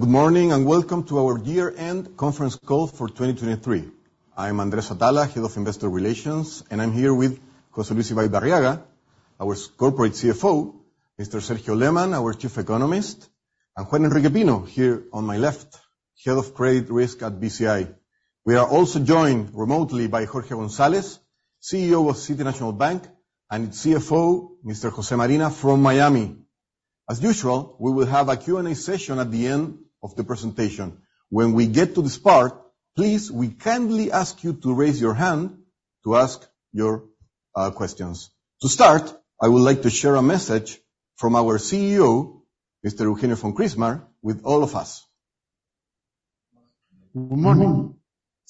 Good morning, and welcome to our year-end conference call for 2023. I'm Andrés Atala, Head of Investor Relations, and I'm here with José Luis Ibaibarriaga, our Corporate CFO, Mr. Sergio Lehmann, our Chief Economist, and Juan Enrique Pino, here on my left, Head of Credit Risk at Bci. We are also joined remotely by Jorge Gonzalez, CEO of City National Bank, and its CFO, Mr. José Marina, from Miami. As usual, we will have a Q&A session at the end of the presentation. When we get to this part, please, we kindly ask you to raise your hand to ask your questions. To start, I would like to share a message from our CEO, Mr. Eugenio von Chrismar, with all of us. Good morning.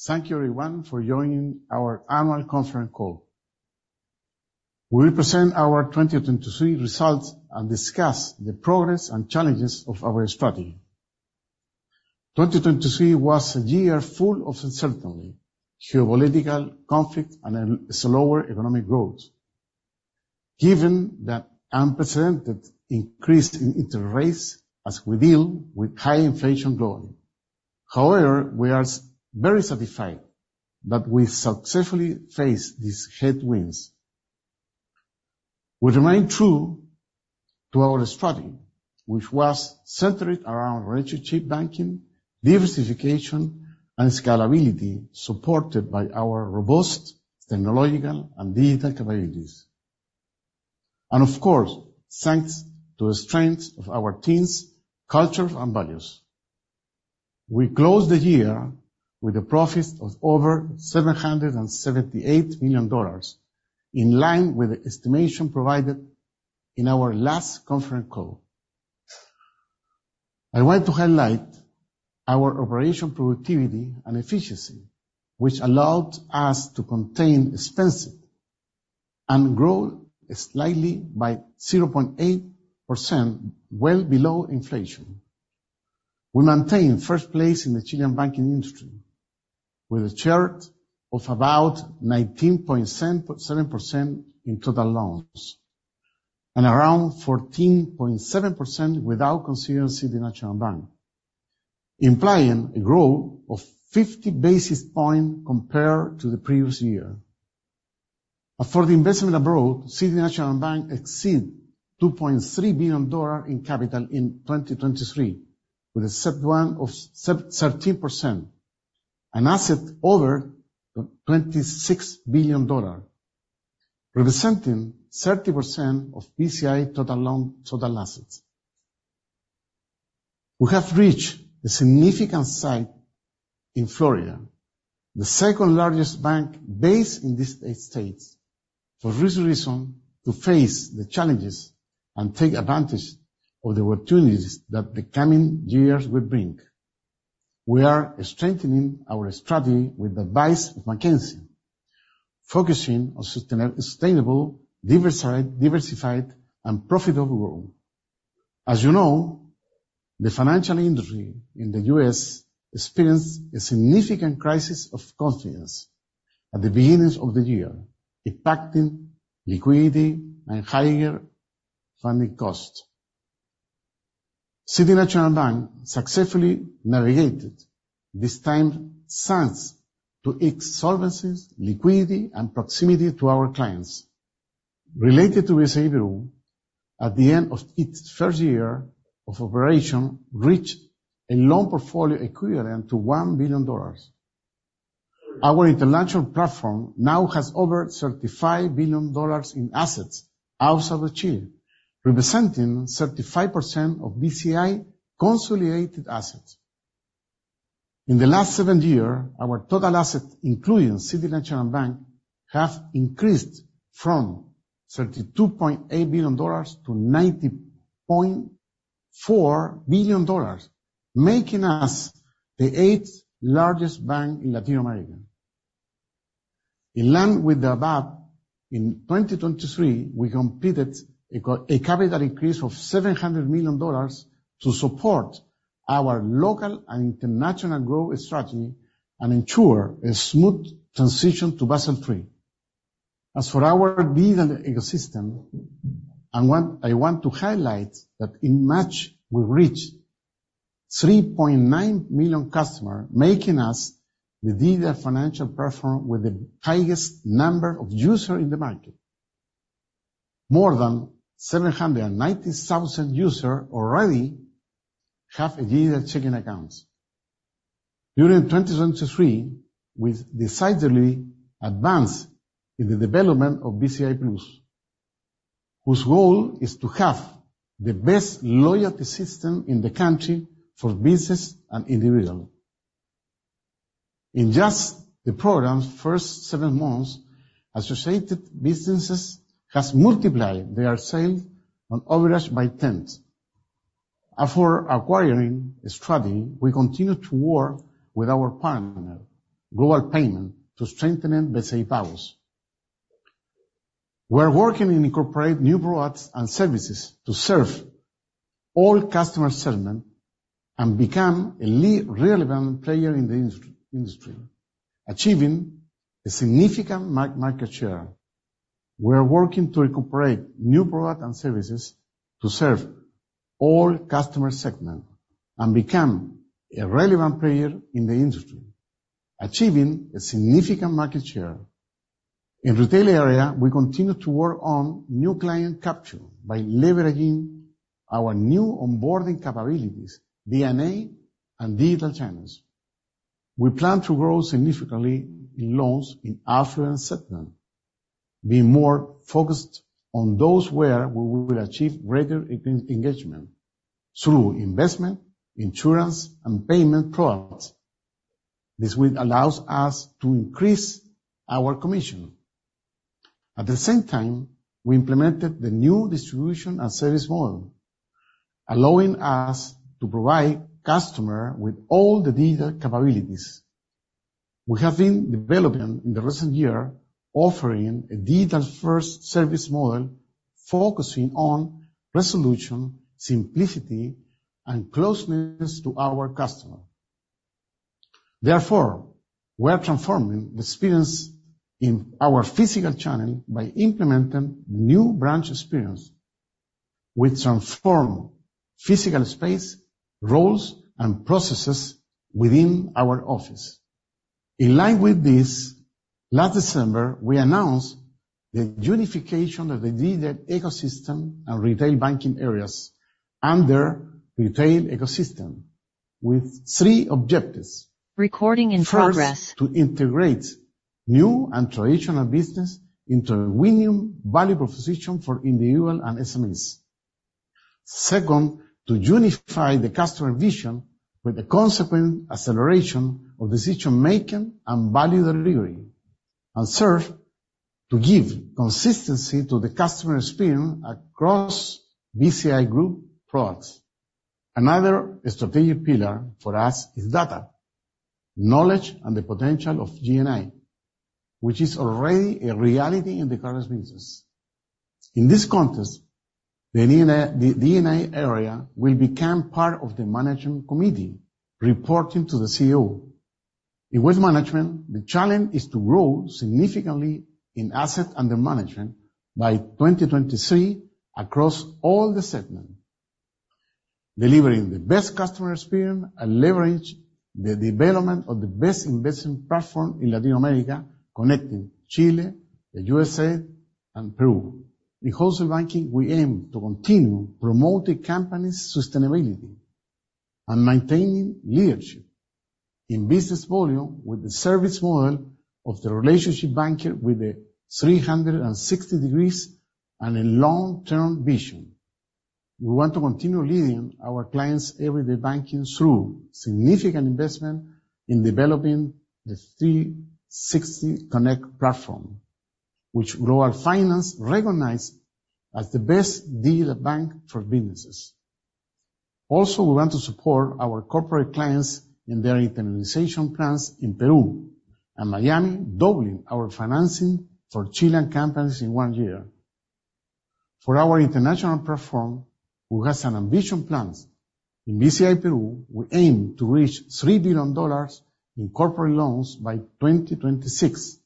Thank you everyone for joining our annual conference call. We present our 2023 results and discuss the progress and challenges of our strategy. 2023 was a year full of uncertainty, geopolitical conflict and a slower economic growth. Given the unprecedented increase in interest rates, as we deal with high inflation globally. However, we are very satisfied that we successfully faced these headwinds. We remain true to our strategy, which was centered around relationship banking, diversification, and scalability, supported by our robust technological and digital capabilities and of course, thanks to the strength of our teams, culture, and values. We closed the year with a profit of over $778 million, in line with the estimation provided in our last conference call. I want to highlight our operational productivity and efficiency, which allowed us to contain expenses and grow slightly by 0.8%, well below inflation. We maintain first place in the Chilean banking industry with a share of about 19.7% in total loans and around 14.7% without considering City National Bank, implying a growth of 50 basis points compared to the previous year. As for the investment abroad, City National Bank exceed $2.3 billion in capital in 2023, with a CET1 of 13% and assets over $26 billion, representing 30% of Bci total loans, total assets. We have reached a significant size in Florida, the second-largest bank based in this state. For this reason, to face the challenges and take advantage of the opportunities that the coming years will bring, we are strengthening our strategy with the advice of McKinsey, focusing on sustainable, diversified, and profitable growth. As you know, the financial industry in the U.S. experienced a significant crisis of confidence at the beginning of the year, impacting liquidity and higher funding costs. City National Bank successfully navigated this time thanks to its solvency, liquidity, and proximity to our clients. Related to this overall, at the end of its first year of operation, reached a loan portfolio equivalent to $1 billion. Our international platform now has over $35 billion in assets outside of Chile, representing 35% of Bci consolidated assets. In the last seven years, our total assets, including City National Bank, have increased from $32.8 billion to $90.4 billion, making us the eighth-largest bank in Latin America. In line with the ABAB in 2023, we completed a capital increase of $700 million to support our local and international growth strategy and ensure a smooth transition to Basel III. As for our digital ecosystem, I want to highlight that in March, we reached 3.9 million customers, making us the digital financial platform with the highest number of users in the market. More than 790,000 users already have digital checking accounts. During 2023, we decidedly advanced in the development of BciPlus+, whose goal is to have the best loyalty system in the country for business and individual. In just the program's first seven months, associated businesses has multiplied their sales on average by 10. For acquiring strategy, we continue to work with our partner, Global Payments, to strengthen Bci Pagos. We are working to incorporate new products and services to serve all customer segments and become a relevant player in the industry, achieving a significant market share. In retail area, we continue to work on new client capture by leveraging our new onboarding capabilities, D&A, and digital channels. We plan to grow significantly in loans in affluent segment, being more focused on those where we will achieve greater engagement through investment, insurance, and payment products. This will allows us to increase our commission. At the same time, we implemented the new distribution and service model, allowing us to provide customers with all the digital capabilities we have been developing in the recent year, offering a digital-first service model focusing on resolution, simplicity, and closeness to our customers. Therefore, we are transforming the experience in our physical channel by implementing new branch experience which transform physical space, roles, and processes within our office. In line with this, last December, we announced the unification of the digital ecosystem and retail banking areas under retail ecosystem with three objectives. First, to integrate new and traditional business into a winning value proposition for individual and SMEs. Second, to unify the customer vision with the consequent acceleration of decision-making and value delivery, and third, to give consistency to the customer experience across Bci group products. Another strategic pillar for us is data, knowledge, and the potential of GenAI, which is already a reality in the current business. In this context, the D&A area will become part of the management committee reporting to the CEO. In wealth management, the challenge is to grow significantly in asset under management by 2023 across all the segments, delivering the best customer experience and leverage the development of the best investment platform in Latin America, connecting Chile, the USA, and Peru. In wholesale banking, we aim to continue promoting company's sustainability and maintaining leadership in business volume with the service model of the relationship banker with a 360 degrees and a long-term vision. We want to continue leading our clients' everyday banking through significant investment in developing the 360 Connect platform, which Global Finance recognized as the best digital bank for businesses. Also, we want to support our corporate clients in their internationalization plans in Perú and Miami, doubling our financing for Chilean companies in one year. For our international platform, which has ambitious plans in Bci Perú, we aim to reach $3 billion in corporate loans by 2026,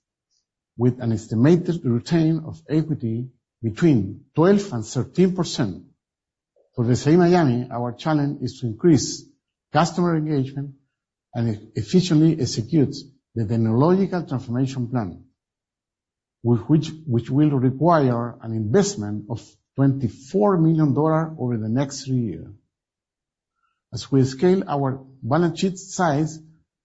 with an estimated return of equity between 12% and 13%. For CNB Miami, our challenge is to increase customer engagement and efficiently execute the technological transformation plan, with which will require an investment of $24 million over the next three years. As we scale our balance sheet size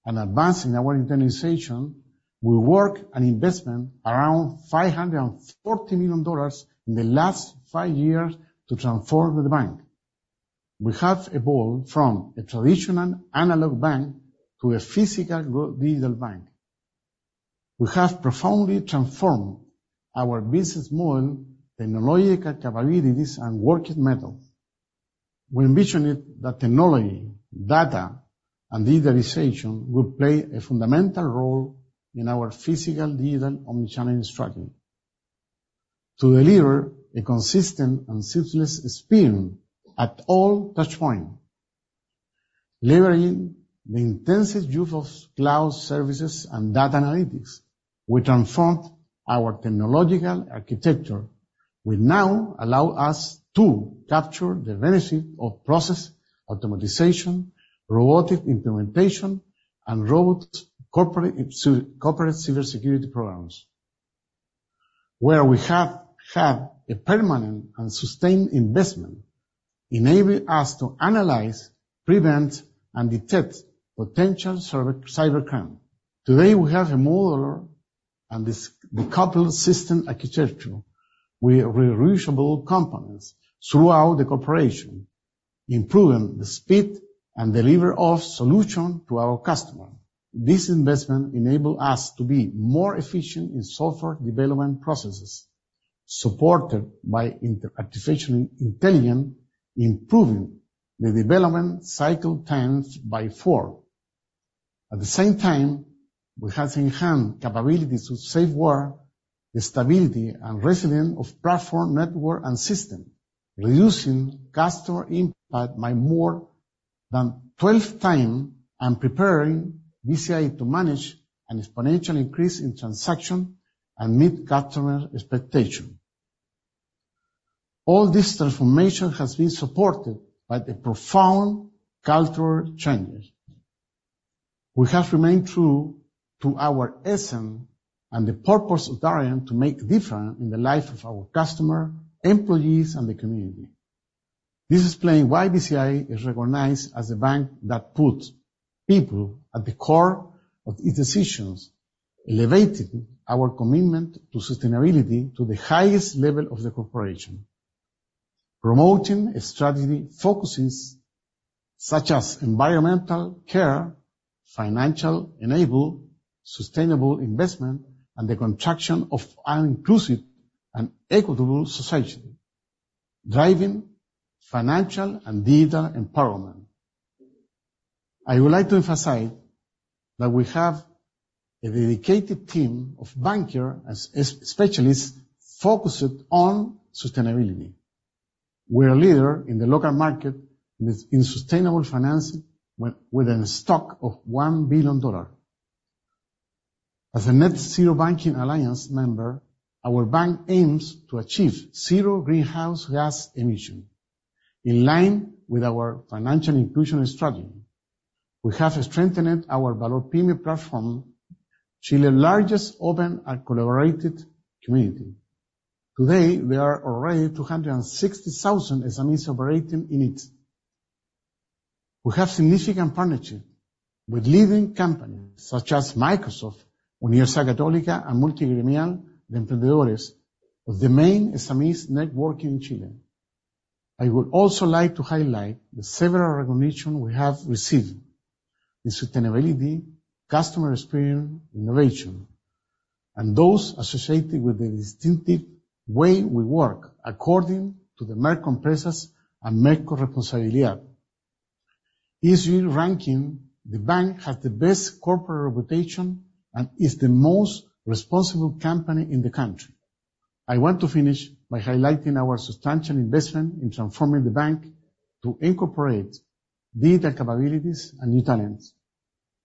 and advancing our internationalization, we work on investment around $540 million in the last five years to transform the bank. We have evolved from a traditional analog bank to a physical-digital bank. We have profoundly transformed our business model, technological capabilities, and working methods. We envisioned that technology, data, and digitalization would play a fundamental role in our physical-digital omnichannel strategy to deliver a consistent and seamless experience at all touch points, leveraging the intensive use of cloud services and data analytics. We transformed our technological architecture will now allow us to capture the benefit of process automation, robotic implementation, and robust corporate cybersecurity programs. We have had a permanent and sustained investment enabling us to analyze, prevent, and detect potential cyber crime. Today, we have a modular and decoupled system architecture with reusable components throughout the corporation, improving the speed and delivery of solution to our customer. This investment enable us to be more efficient in software development processes, supported by generative artificial intelligence, improving the development cycle times by four. At the same time, we have in-house capabilities to safeguard the stability and resilience of platform, network, and system, reducing customer impact by more than 12x and preparing Bci to manage an exponential increase in transaction and meet customer expectation. This transformation has been supported by the profound cultural changes. We have remained true to our essence and the purpose of Bci to make a difference in the life of our customer, employees, and the community. This explains why Bci is recognized as a bank that puts people at the core of its decisions, elevating our commitment to sustainability to the highest level of the corporation. Promoting a strategy focuses such as environmental care, financial inclusion, sustainable investment, and the construction of an inclusive and equitable society, driving financial and data empowerment. I would like to emphasize that we have a dedicated team of bankers and specialists focused on sustainability. We are a leader in the local market in sustainable financing with a stock of $1 billion. As a Net-Zero Banking Alliance member, our bank aims to achieve zero greenhouse gas emissions. In line with our financial inclusion strategy, we have strengthened our Valor Pyme platform, Chile's largest open and collaborative community. Today, there are already 260,000 SMEs operating in it. We have significant partnership with leading companies such as Microsoft, Universidad Católica, and Multigremial Nacional de Emprendedores of the main SMEs network in Chile. I would also like to highlight the several recognitions we have received in sustainability, customer experience, innovation, and those associated with the distinctive way we work according to the Merco Empresas and Merco Responsabilidad y Gobierno Corporativo ESG ranking, the bank has the best corporate reputation and is the most responsible company in the country. I want to finish by highlighting our substantial investment in transforming the bank to incorporate data capabilities and new talents,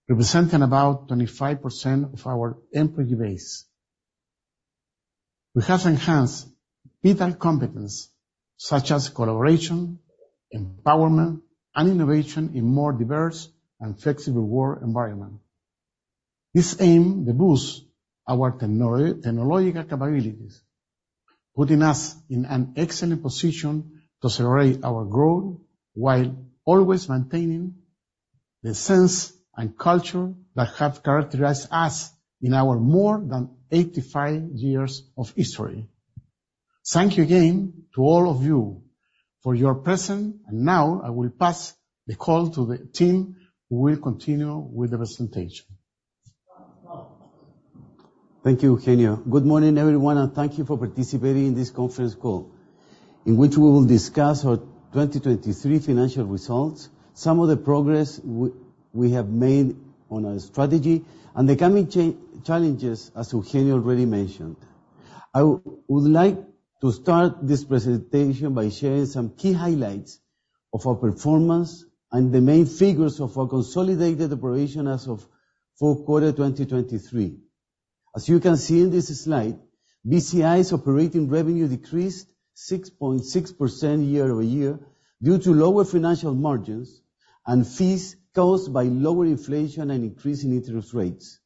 representing about 25% of our employee base. We have enhanced vital competencies such as collaboration, empowerment, and innovation in more diverse and flexible work environment. This aims to boost our technological capabilities, putting us in an excellent position to accelerate our growth while always maintaining the sense and culture that have characterized us in our more than 85 years of history. Thank you again to all of you for your presence, and now I will pass the call to the team who will continue with the presentation. Thank you, Eugenio. Good morning, everyone, and thank you for participating in this conference call in which we will discuss our 2023 financial results, some of the progress we have made on our strategy and the coming challenges as Eugenio already mentioned. I would like to start this presentation by sharing some key highlights of our performance and the main figures of our consolidated operation as of fourth quarter, 2023. As you can see in this slide, Bci's operating revenue decreased 6.6% year-over-year due to lower financial margins and fees caused by lower inflation and increase in interest rates.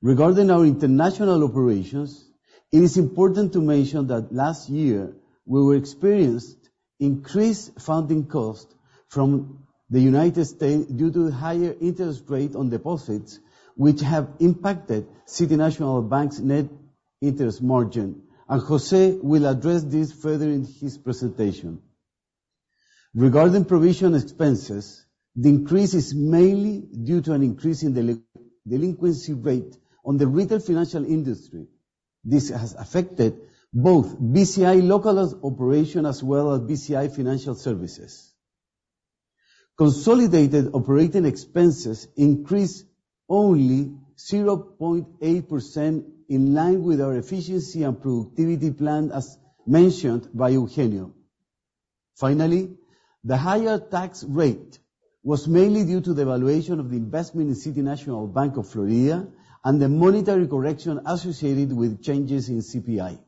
Regarding our international operations, it is important to mention that last year, we experienced increased funding costs from the United States due to higher interest rate on deposits, which have impacted City National Bank's net interest margin, and José will address this further in his presentation. Regarding provision expenses, the increase is mainly due to an increase in delinquency rate on the retail financial industry. This has affected both Bci local operation as well as Bci Financial Services. Consolidated operating expenses increased only 0.8% in line with our efficiency and productivity plan, as mentioned by Eugenio. Finally, the higher tax rate was mainly due to the revaluation of the investment in City National Bank of Florida and the monetary correction associated with changes in CPI.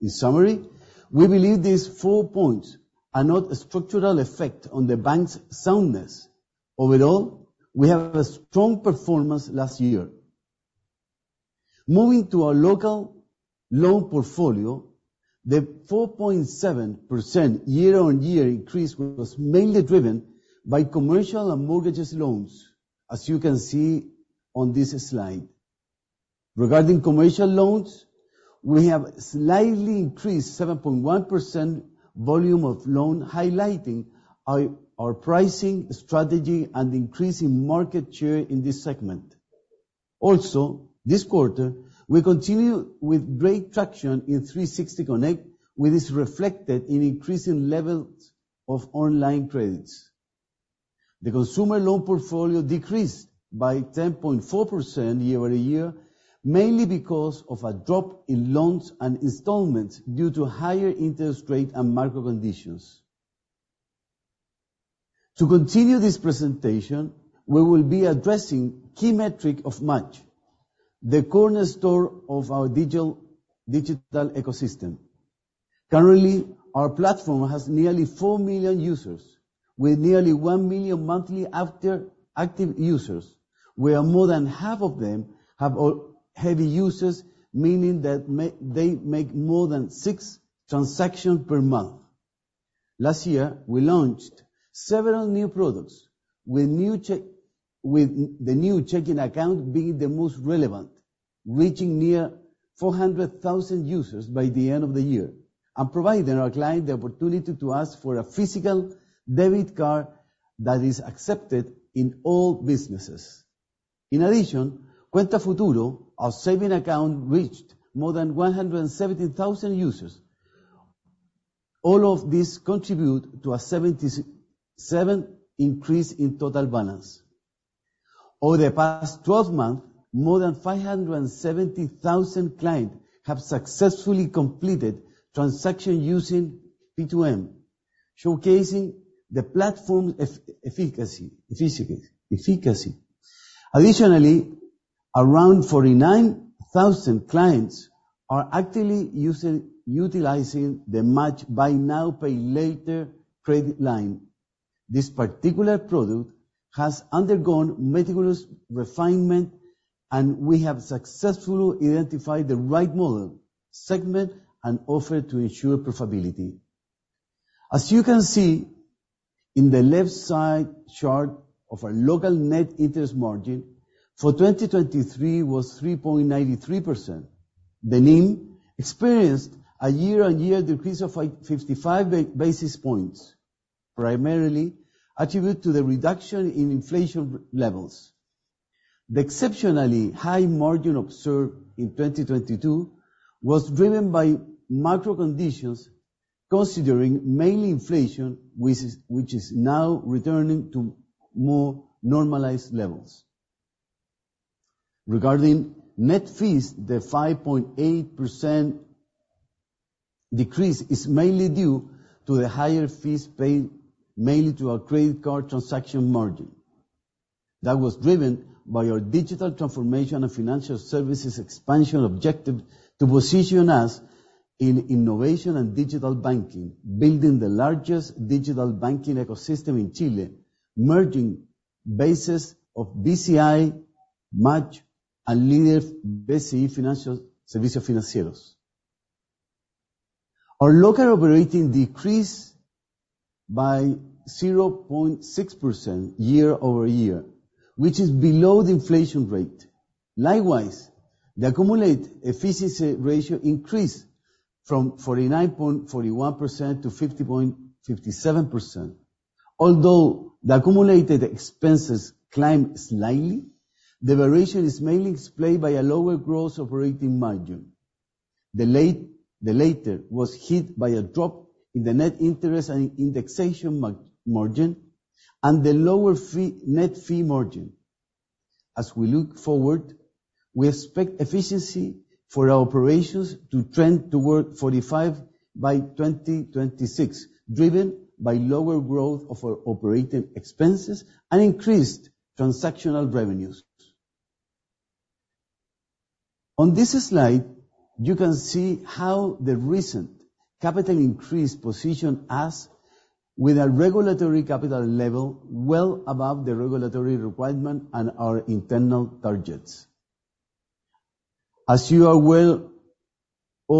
In summary, we believe these four points are not a structural effect on the bank's soundness. Overall, we have a strong performance last year. Moving to our local loan portfolio, the 4.7% year-over-year increase was mainly driven by commercial and mortgages loans, as you can see on this slide. Regarding commercial loans, we have slightly increased 7.1% volume of loans, highlighting our pricing strategy and increasing market share in this segment. Also, this quarter, we continue with great traction in 360 Connect, which is reflected in increasing levels of online credits. The consumer loan portfolio decreased by 10.4% year-over-year, mainly because of a drop in loans and installments due to higher interest rate and market conditions. To continue this presentation, we will be addressing key metric of MACH, the cornerstone of our digital ecosystem. Currently, our platform has nearly four million users with nearly one million monthly active users, where more than half of them are heavy users, meaning that they make more than six transactions per month. Last year, we launched several new products with the new checking account being the most relevant, reaching nearly 400,000 users by the end of the year and providing our client the opportunity to ask for a physical debit card that is accepted in all businesses. In addition, Cuenta Futuro, our savings account, reached more than 170,000 users. All of this contribute to a 77% increase in total balance. Over the past 12 months, more than 570,000 clients have successfully completed transactions using P2M, showcasing the platform's efficacy. Additionally, around 49,000 clients are actively utilizing the MACH buy now, pay later credit line. This particular product has undergone meticulous refinement, and we have successfully identified the right model, segment, and offer to ensure profitability. As you can see in the left side chart of our local net interest margin for 2023 was 3.93%. The NIM experienced a year-on-year decrease of fifty-five basis points, primarily attributed to the reduction in inflation levels. The exceptionally high margin observed in 2022 was driven by macro conditions, considering mainly inflation, which is now returning to more normalized levels. Regarding net fees, the 5.8% decrease is mainly due to the higher fees paid mainly to our credit card transaction margin. That was driven by our digital transformation and financial services expansion objective to position us in innovation and digital banking, building the largest digital banking ecosystem in Chile, merging bases of Bci, MACH, and Líder Bci Servicios Financieros. Our local operating decreased by 0.6% year-over-year, which is below the inflation rate. Likewise, the accumulated efficiency ratio increased from 49.41% to 50.57%. Although the accumulated expenses climbed slightly, the variation is mainly explained by a lower gross operating margin. The latter was hit by a drop in the net interest and indexation margin and the lower net fee margin. As we look forward, we expect efficiency for our operations to trend toward 45% by 2026, driven by lower growth of our operating expenses and increased transactional revenues. On this slide, you can see how the recent capital increase positions us with a regulatory capital level well above the regulatory requirement and our internal targets. As you are all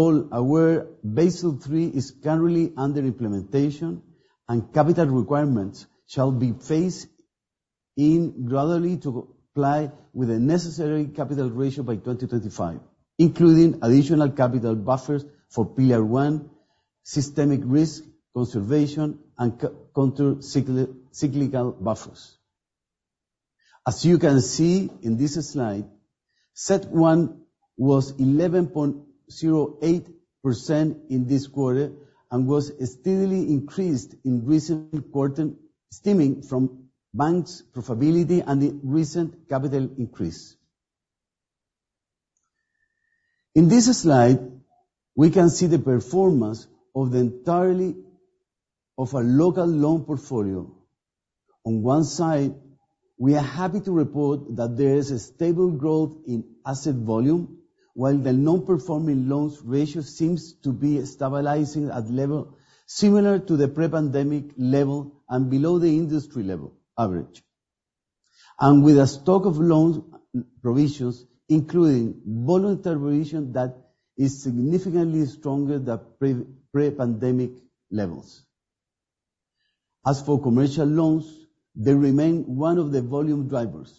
well aware, Basel III is currently under implementation and capital requirements shall be phased in gradually to comply with the necessary capital ratio by 2025, including additional capital buffers for Pillar 1, capital conservation, and countercyclical buffers. As you can see in this slide, CET1 was 11.08% in this quarter and was steadily increased in recent quarter, stemming from bank's profitability and the recent capital increase. In this slide, we can see the performance of the entirety of our local loan portfolio. On one side, we are happy to report that there is a stable growth in asset volume, while the non-performing loans ratio seems to be stabilizing at level similar to the pre-pandemic level and below the industry level average. With a stock of loans provisions, including voluntary provision that is significantly stronger than pre-pandemic levels. As for commercial loans, they remain one of the volume drivers,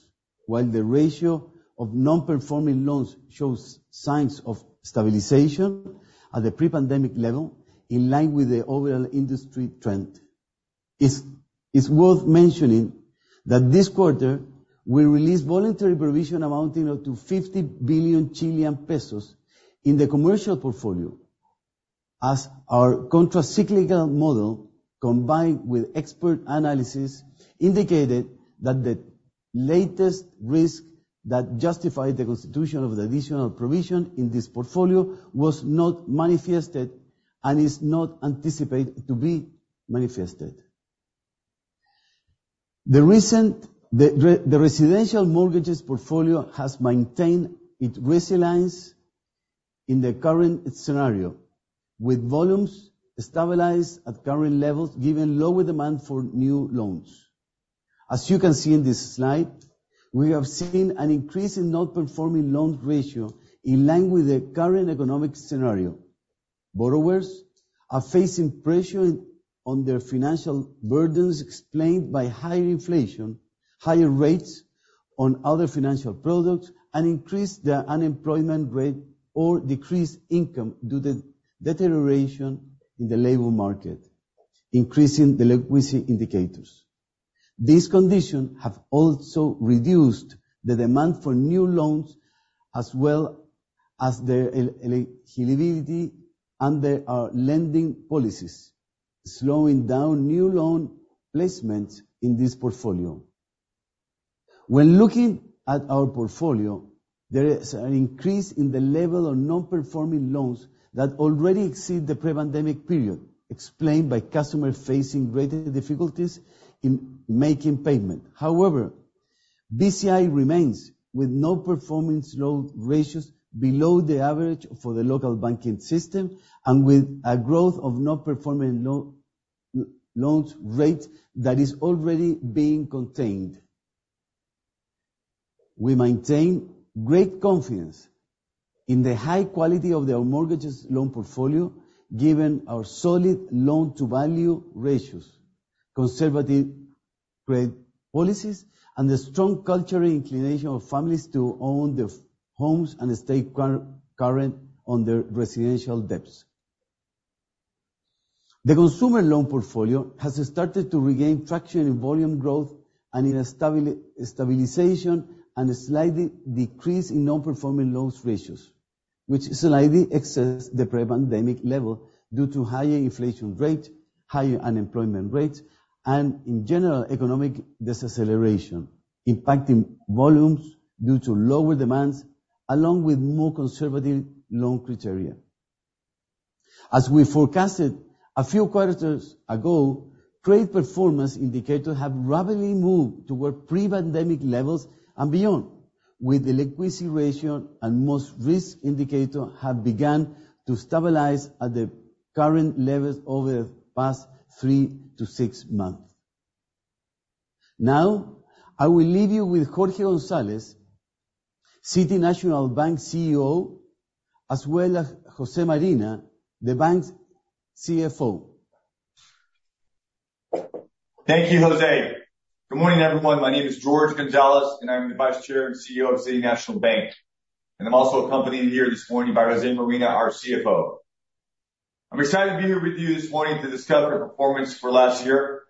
while the ratio of non-performing loans shows signs of stabilization at the pre-pandemic level in line with the overall industry trend. It's worth mentioning that this quarter we released voluntary provision amounting to 50 billion Chilean pesos in the commercial portfolio. As our countercyclical model combined with expert analysis indicated that the latest risk that justified the constitution of the additional provision in this portfolio was not manifested and is not anticipated to be manifested. The residential mortgages portfolio has maintained its resilience in the current scenario, with volumes stabilized at current levels, given lower demand for new loans. As you can see in this slide, we have seen an increase in non-performing loan ratio in line with the current economic scenario. Borrowers are facing pressure on their financial burdens explained by higher inflation, higher rates on other financial products, and increased the unemployment rate or decreased income due to deterioration in the labor market, increasing delinquency indicators. These conditions have also reduced the demand for new loans as well as their eligibility under our lending policies, slowing down new loan placements in this portfolio. When looking at our portfolio, there is an increase in the level of non-performing loans that already exceed the pre-pandemic period, explained by customers facing greater difficulties in making payment. However, Bci remains with non-performing loan ratios below the average for the local banking system and with a growth of non-performing loans rate that is already being contained. We maintain great confidence in the high quality of our mortgage loan portfolio, given our solid loan-to-value ratios, conservative credit policies, and the strong cultural inclination of families to own their homes and stay current on their residential debts. The consumer loan portfolio has started to regain traction in volume growth and in stabilization and a slight decrease in non-performing loans ratios, which slightly exceeds the pre-pandemic level due to higher inflation rate, higher unemployment rate, and in general economic deceleration, impacting volumes due to lower demands along with more conservative loan criteria. As we forecasted a few quarters ago, trade performance indicators have rapidly moved toward pre-pandemic levels and beyond, with delinquency ratio and most risk indicator have begun to stabilize at the current levels over the past three-six months. Now, I will leave you with Jorge Gonzalez, City National Bank CEO, as well as José Marina, the bank's CFO. Thank you, José. Good morning, everyone. My name is Jorge Gonzalez, and I'm the Vice Chair and CEO of City National Bank. I'm also accompanied here this morning by José Marina, our CFO. I'm excited to be here with you this morning to discuss our performance for last year.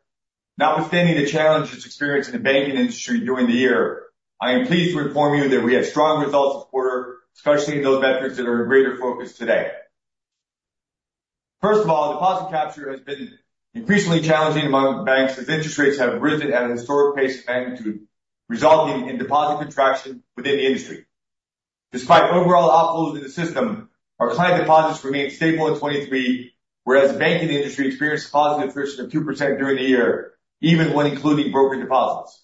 Notwithstanding the challenges experienced in the banking industry during the year, I am pleased to inform you that we had strong results this quarter, especially in those metrics that are in greater focus today. First of all, deposit capture has been increasingly challenging among banks as interest rates have risen at a historic pace and magnitude, resulting in deposit contraction within the industry. Despite overall outflows in the system, our client deposits remained stable in 2023, whereas the banking industry experienced deposit attrition of 2% during the year, even when including broker deposits.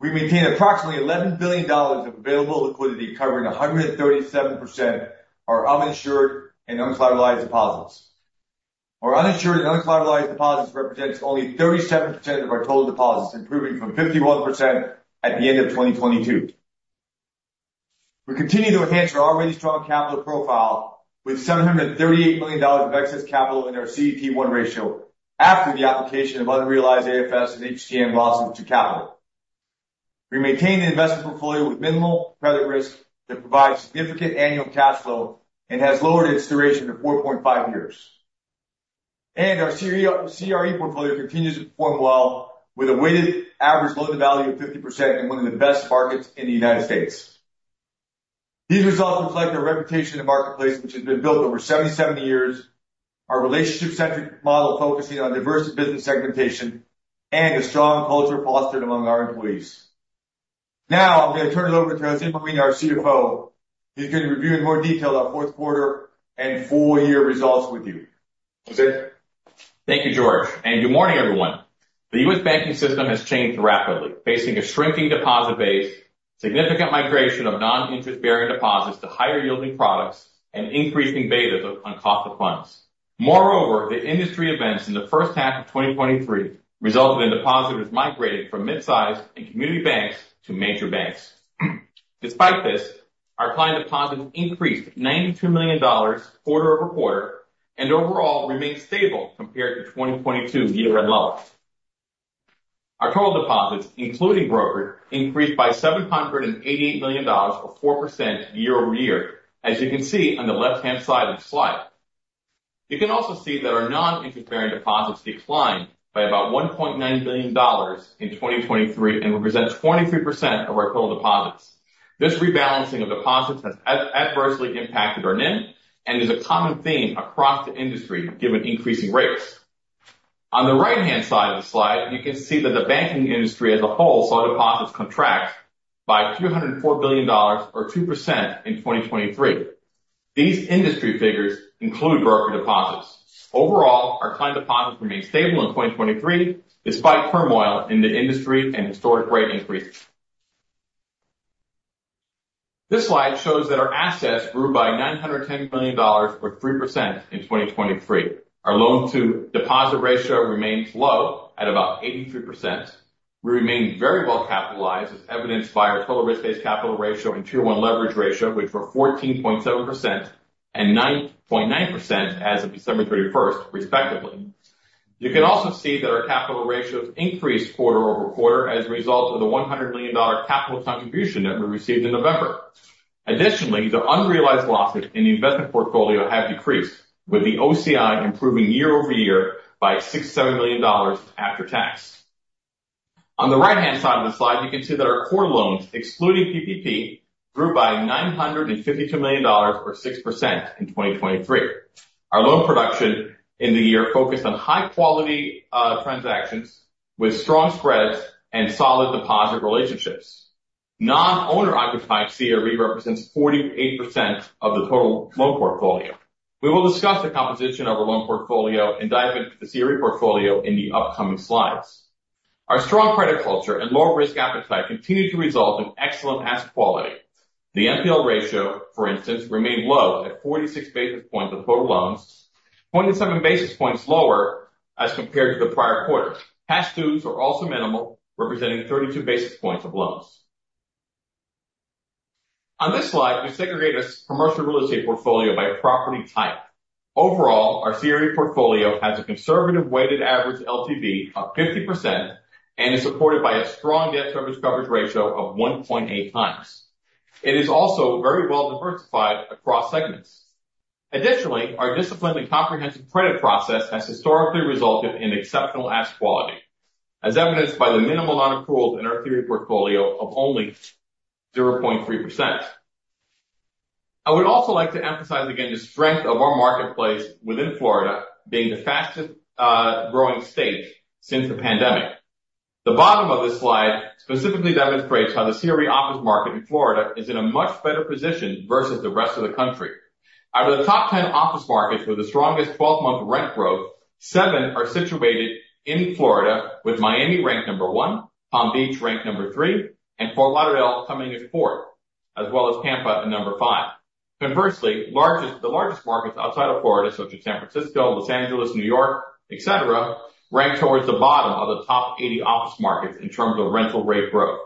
We maintained approximately $11 billion of available liquidity, covering 137% our uninsured and uncollateralized deposits. Our uninsured and uncollateralized deposits represents only 37% of our total deposits, improving from 51% at the end of 2022. We continue to enhance our already strong capital profile with $738 million of excess capital in our CET1 ratio after the application of unrealized AFS and HTM losses to capital. We maintain the investment portfolio with minimal credit risk that provides significant annual cash flow and has lowered its duration to 4.5 years. Our CRE portfolio continues to perform well with a weighted average loan-to-value of 50% in one of the best markets in the United States. These results reflect our reputation in the marketplace, which has been built over 77 years, our relationship-centric model focusing on diverse business segmentation, and a strong culture fostered among our employees. Now, I'm going to turn it over to José Marina, our CFO. He's going to review in more detail our fourth quarter and full year results with you. José. Thank you, Jorge, and good morning, everyone. The US banking system has changed rapidly, facing a shrinking deposit base, significant migration of non-interest-bearing deposits to higher-yielding products, and increasing betas on cost of funds. Moreover, the industry events in the first half of 2023 resulted in depositors migrating from mid-sized and community banks to major banks. Despite this, our client deposits increased $92 million quarter-over-quarter and overall remained stable compared to 2022 year-end levels. Our total deposits, including brokered, increased by $788 million or 4% year-over-year, as you can see on the left-hand side of the slide. You can also see that our non-interest-bearing deposits declined by about $1.9 billion in 2023 and represent 23% of our total deposits. This rebalancing of deposits has adversely impacted our NIM and is a common theme across the industry given increasing rates. On the right-hand side of the slide, you can see that the banking industry as a whole saw deposits contract by $204 billion or 2% in 2023. These industry figures include broker deposits. Overall, our client deposits remained stable in 2023 despite turmoil in the industry and historic rate increases. This slide shows that our assets grew by $910 billion or 3% in 2023. Our loan to deposit ratio remains low at about 83%. We remain very well capitalized, as evidenced by our total risk-based capital ratio and Tier 1 leverage ratio, which were 14.7% and 9.9% as of December 31, respectively. You can also see that our capital ratios increased quarter-over-quarter as a result of the $100 million capital contribution that we received in November. Additionally, the unrealized losses in the investment portfolio have decreased, with the OCI improving year-over-year by $67 million after tax. On the right-hand side of the slide, you can see that our core loans, excluding PPP, grew by $952 million or 6% in 2023. Our loan production in the year focused on high quality transactions with strong spreads and solid deposit relationships. Non-owner-occupied CRE represents 48% of the total loan portfolio. We will discuss the composition of our loan portfolio and dive into the CRE portfolio in the upcoming slides. Our strong credit culture and lower risk appetite continue to result in excellent asset quality. The NPL ratio, for instance, remained low at 46 basis points of total loans, 27 basis points lower as compared to the prior quarter. Past dues were also minimal, representing 32 basis points of loans. On this slide, we segregate a commercial real estate portfolio by property type. Overall, our CRE portfolio has a conservative weighted average LTV of 50% and is supported by a strong debt service coverage ratio of 1.8 times. It is also very well diversified across segments. Additionally, our disciplined and comprehensive credit process has historically resulted in exceptional asset quality, as evidenced by the minimal non-accruals in our CRE portfolio of only 0.3%. I would also like to emphasize again the strength of our marketplace within Florida being the fastest growing state since the pandemic. The bottom of this slide specifically demonstrates how the CRE office market in Florida is in a much better position versus the rest of the country. Out of the top 10 office markets with the strongest 12-month rent growth, seven are situated in Florida, with Miami ranked number one, Palm Beach ranked number three, and Fort Lauderdale coming in fourth, as well as Tampa in number five. Conversely, the largest markets outside of Florida, such as San Francisco, Los Angeles, New York, etc., rank towards the bottom of the top 80 office markets in terms of rental rate growth.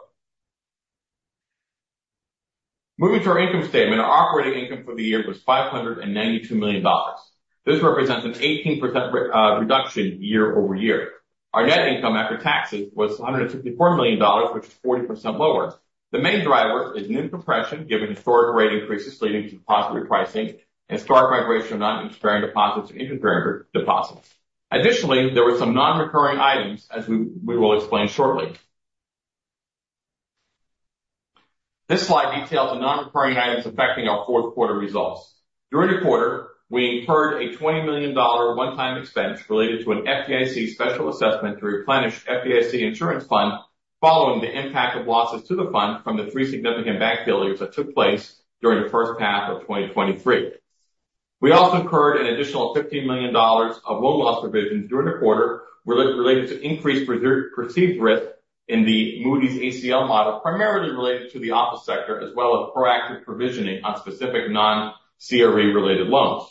Moving to our income statement, our operating income for the year was $592 million. This represents an 18% reduction year over year. Our net income after taxes was $154 million, which is 40% lower. The main driver is net compression given historic rate increases leading to deposit repricing and historic migration of non-interest-bearing deposits and interest-bearing deposits. Additionally, there were some non-recurring items as we will explain shortly. This slide details the non-recurring items affecting our fourth quarter results. During the quarter, we incurred a $20 million one-time expense related to an FDIC special assessment to replenish FDIC insurance fund following the impact of losses to the fund from the three significant bank failures that took place during the first half of 2023. We also incurred an additional $15 million of loan loss provisions during the quarter related to increased perceived risk in the Moody's ACL model, primarily related to the office sector, as well as proactive provisioning on specific non-CRE related loans.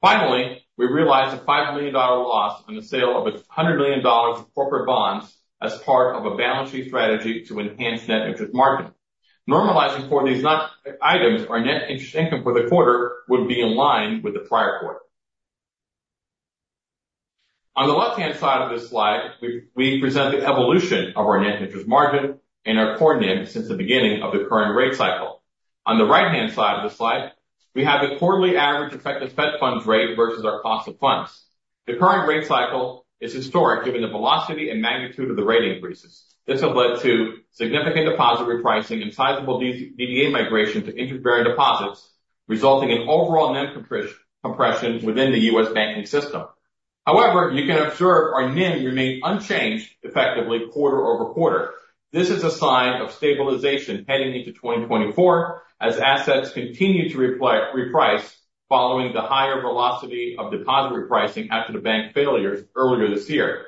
Finally, we realized a $5 million loss on the sale of $100 million of corporate bonds as part of a balance sheet strategy to enhance net interest margin. Normalizing for these non items, our net interest income for the quarter would be in line with the prior quarter. On the left-hand side of this slide, we present the evolution of our net interest margin and our core NIM since the beginning of the current rate cycle. On the right-hand side of the slide, we have the quarterly average effective Fed funds rate versus our cost of funds. The current rate cycle is historic given the velocity and magnitude of the rate increases. This has led to significant deposit repricing and sizable non-DDA migration to interest-bearing deposits, resulting in overall NIM compression within the U.S. banking system. However, you can observe our NIM remained unchanged effectively quarter-over-quarter. This is a sign of stabilization heading into 2024 as assets continue to reprice following the higher velocity of deposit repricing after the bank failures earlier this year.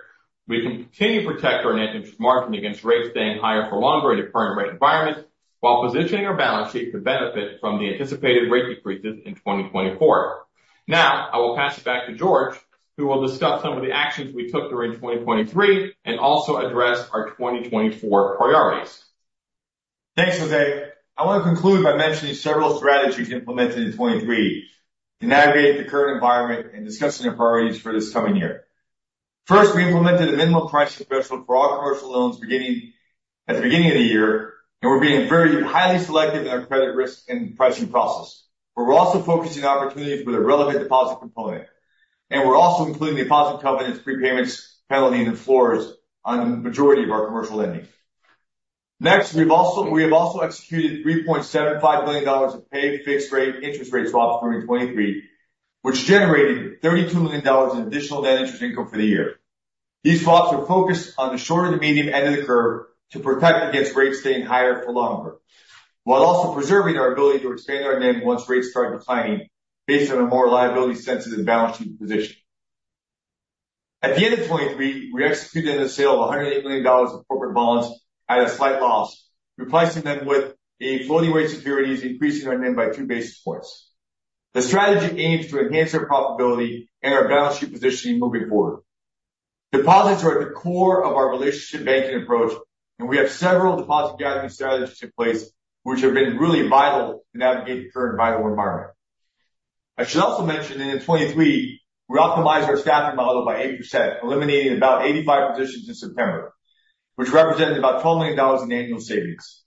We continue to protect our net interest margin against rates staying higher for longer in the current rate environment while positioning our balance sheet to benefit from the anticipated rate decreases in 2024. Now, I will pass it back to Jorge, who will discuss some of the actions we took during 2023 and also address our 2024 priorities. Thanks, José. I want to conclude by mentioning several strategies implemented in 2023 to navigate the current environment and discussing our priorities for this coming year. First, we implemented a minimum pricing threshold for all commercial loans beginning at the beginning of the year. We're being very highly selective in our credit risk and pricing process. We're also focusing on opportunities with a relevant deposit component. We're also including deposit covenants, prepayments, penalties and floors on the majority of our commercial lending. Next, we have also executed $3.75 billion of pay-fixed-rate interest rate swaps during 2023, which generated $32 million in additional net interest income for the year. These swaps were focused on the shorter to medium end of the curve to protect against rates staying higher for longer, while also preserving our ability to expand our NIM once rates start declining based on a more liability-sensitive and balanced position. At the end of 2023, we executed the sale of $108 million of corporate bonds at a slight loss, replacing them with floating-rate securities, increasing our NIM by two basis points. The strategy aims to enhance our profitability and our balance sheet positioning moving forward. Deposits are at the core of our relationship banking approach, and we have several deposit gathering strategies in place which have been really vital to navigate the current volatile environment. I should also mention that in 2023, we optimized our staffing model by 8%, eliminating about 85 positions in September, which represented about $12 million in annual savings.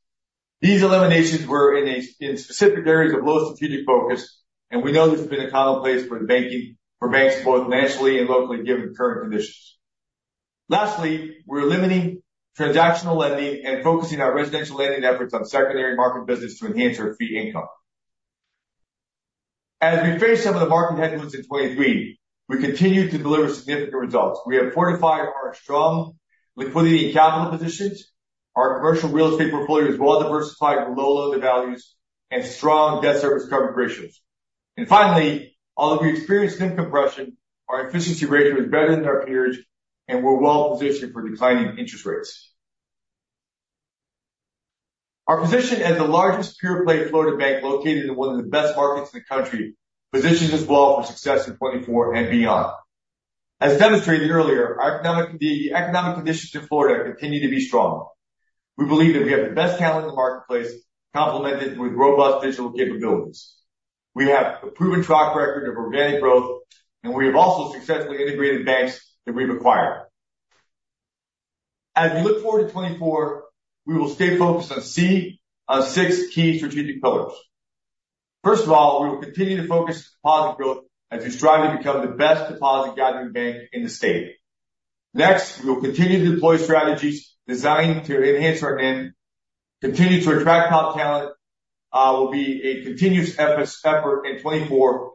These eliminations were in specific areas of low strategic focus, and we know this has been a commonplace for banks, both nationally and locally, given the current conditions. Lastly, we're limiting transactional lending and focusing our residential lending efforts on secondary market business to enhance our fee income. As we face some of the market headwinds in 2023, we continue to deliver significant results. We have fortified our strong liquidity and capital positions. Our commercial real estate portfolio is well diversified with low LTVs and strong debt service coverage ratios. Finally, although we experienced NIM compression, our efficiency ratio is better than our peers, and we're well positioned for declining interest rates. Our position as the largest pure-play Florida bank located in one of the best markets in the country positions us well for success in 2024 and beyond. As demonstrated earlier, the economic conditions in Florida continue to be strong. We believe that we have the best talent in the marketplace, complemented with robust digital capabilities. We have a proven track record of organic growth, and we have also successfully integrated banks that we've acquired. As we look forward to 2024, we will stay focused on six key strategic pillars. First of all, we will continue to focus deposit growth as we strive to become the best deposit gathering bank in the state. Next, we will continue to deploy strategies designed to enhance our NIM. Continue to attract top talent will be a continuous effort in 2024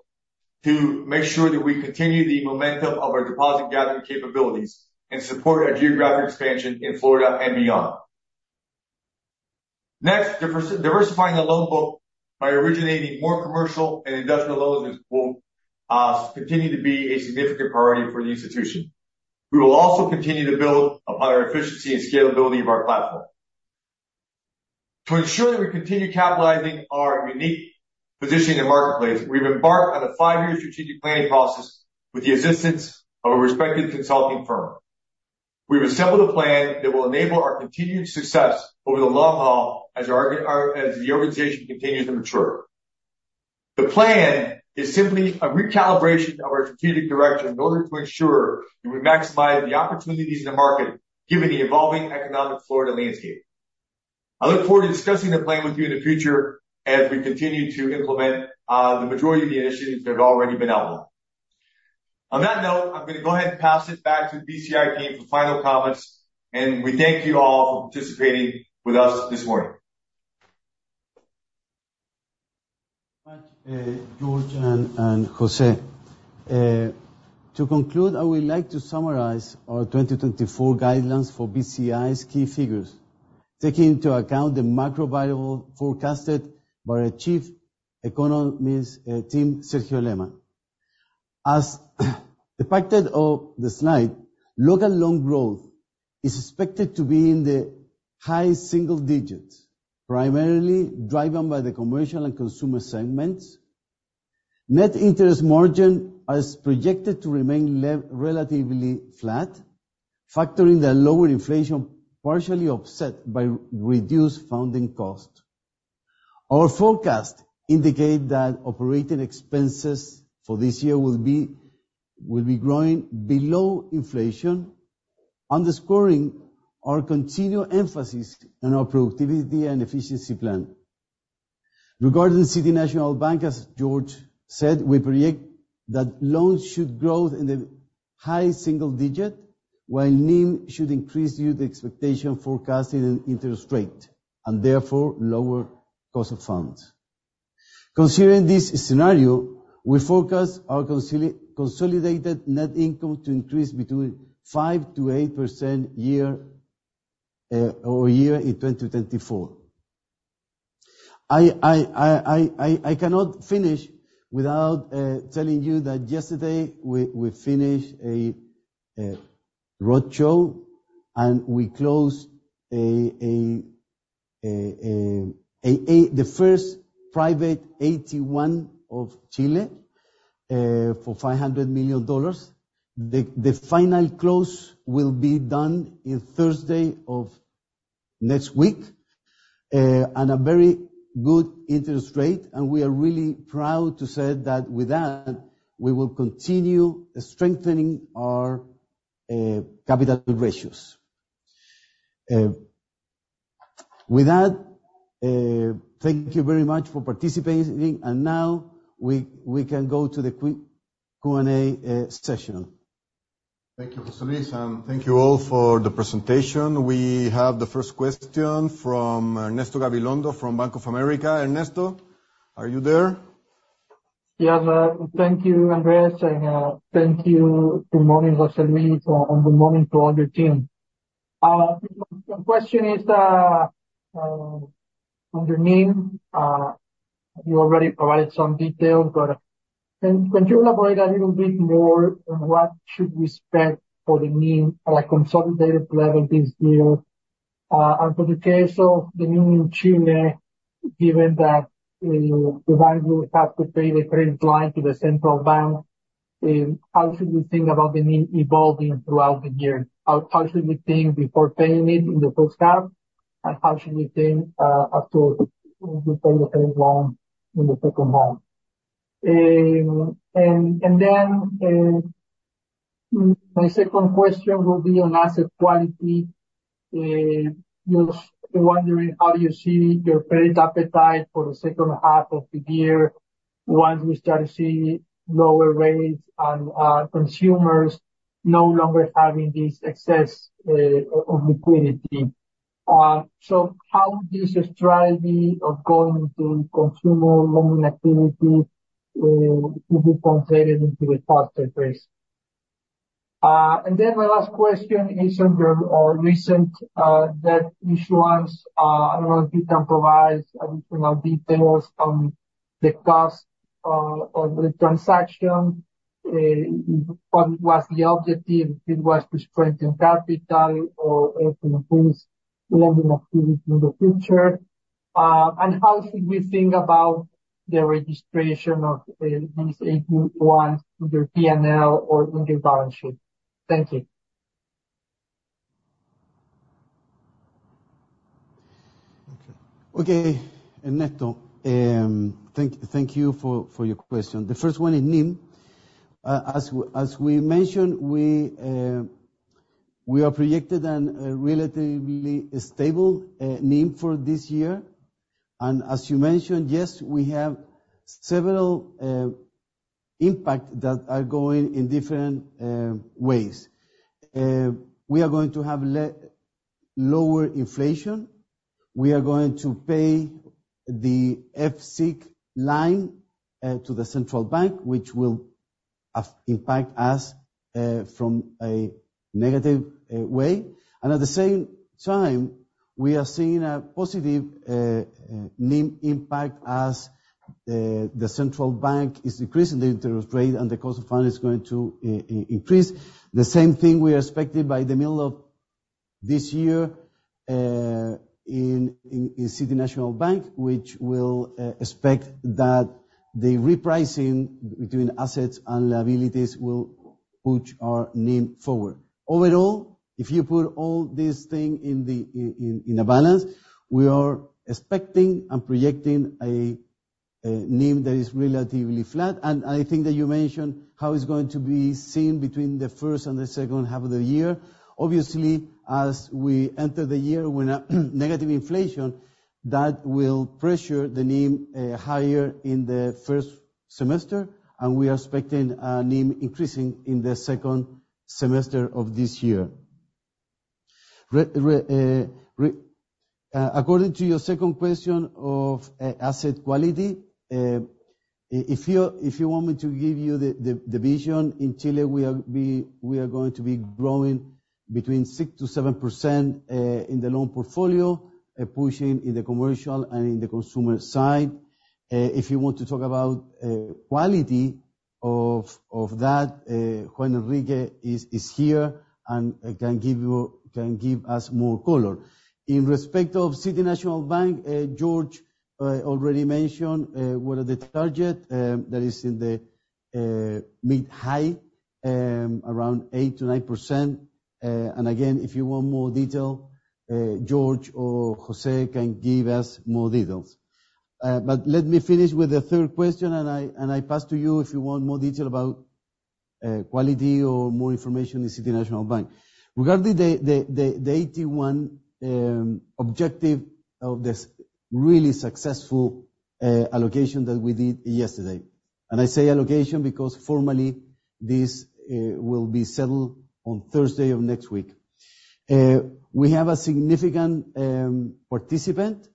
to make sure that we continue the momentum of our deposit gathering capabilities and support our geographic expansion in Florida and beyond. Next, diversifying the loan book by originating more commercial and industrial loans will continue to be a significant priority for the institution. We will also continue to build upon our efficiency and scalability of our platform. To ensure that we continue capitalizing our unique position in the marketplace, we've embarked on a five-year strategic planning process with the assistance of a respected consulting firm. We've assembled a plan that will enable our continued success over the long haul as the organization continues to mature. The plan is simply a recalibration of our strategic direction in order to ensure that we maximize the opportunities in the market given the evolving economic Florida landscape. I look forward to discussing the plan with you in the future as we continue to implement the majority of the initiatives that have already been outlined. On that note, I'm going to go ahead and pass it back to the Bci team for final comments. We thank you all for participating with us this morning. Thank you, Jorge and José. To conclude, I would like to summarize our 2024 guidelines for Bci's key figures, taking into account the macro variables forecasted by our chief economist, Sergio Lehmann. As depicted on the slide, local loan growth is expected to be in the high single digits%, primarily driven by the commercial and consumer segments. Net interest margin is projected to remain relatively flat, factoring in the lower inflation partially offset by reduced funding costs. Our forecasts indicate that operating expenses for this year will be growing below inflation, underscoring our continued emphasis on our productivity and efficiency plan. Regarding City National Bank, as Jorge said, we predict that loans should grow in the high single digits%, while NIM should increase due to expectations of falling interest rates and therefore lower cost of funds. Considering this scenario, we forecast our consolidated net income to increase 5%-8% year-over-year in 2024. I cannot finish without telling you that yesterday we finished a roadshow, and we closed the first private AT1 of Chile for $500 million. The final close will be done on Thursday of next week at a very good interest rate. We are really proud to say that with that, we will continue strengthening our capital ratios. With that, thank you very much for participating. Now we can go to the Q&A session. Thank you, José Luis, and thank you all for the presentation. We have the first question from Ernesto Gabilondo from Bank of America. Ernesto, are you there? Yes. Thank you, Andrés, and thank you. Good morning, José Luis, and good morning to all your team. My question is on the NIM. You already provided some details, but can you elaborate a little bit more on what should we expect for the NIM at a consolidated level this year? For the case of the NIM Chile, given that the bank will have to pay the credit line to the central bank, how should we think about the NIM evolving throughout the year? How should we think before paying it in the first half, and how should we think after we pay the credit loan in the second half? My second question will be on asset quality. Just wondering how you see your credit appetite for the second half of the year once we start to see lower rates and consumers no longer having this excess of liquidity. How would you describe the ongoing consumer lending activity to be translated into the faster pace? My last question is on your recent debt issuance. I don't know if you can provide you know details on the cost of the transaction. What was the objective? It was to strengthen capital or to boost lending activity in the future. How should we think about the registration of these AT1 through their P&L or in their balance sheet? Thank you. Okay, Ernesto Gabilondo, thank you for your question. The first one on NIM. As we mentioned, we are projecting a relatively stable NIM for this year. As you mentioned, yes, we have several impacts that are going in different ways. We are going to have lower inflation. We are going to pay the FCIC line to the central bank, which will impact us from a negative way. At the same time, we are seeing a positive NIM impact as the central bank is decreasing the interest rate and the cost of fund is going to increase. The same thing we are expecting by the middle of this year, in City National Bank, which will expect that the repricing between assets and liabilities will push our NIM forward. Overall, if you put all these things in the balance, we are expecting and projecting a NIM that is relatively flat. I think that you mentioned how it's going to be seen between the first and the second half of the year. Obviously, as we enter the year with a negative inflation, that will pressure the NIM higher in the first semester, and we are expecting our NIM increasing in the second semester of this year. According to your second question of asset quality, if you want me to give you the vision, in Chile, we are going to be growing between 6%-7% in the loan portfolio, pushing in the commercial and in the consumer side. If you want to talk about quality of that, Juan Enrique is here and can give us more color. In respect of City National Bank, Jorge already mentioned what the target is in the mid-high around 8%-9%. Again, if you want more detail, Jorge or José can give us more details. Let me finish with the third question and I pass to you if you want more detail about quality or more information in City National Bank. Regarding the AT1 objective of this really successful allocation that we did yesterday, and I say allocation because formally this will be settled on Thursday of next week. We have a significant participant.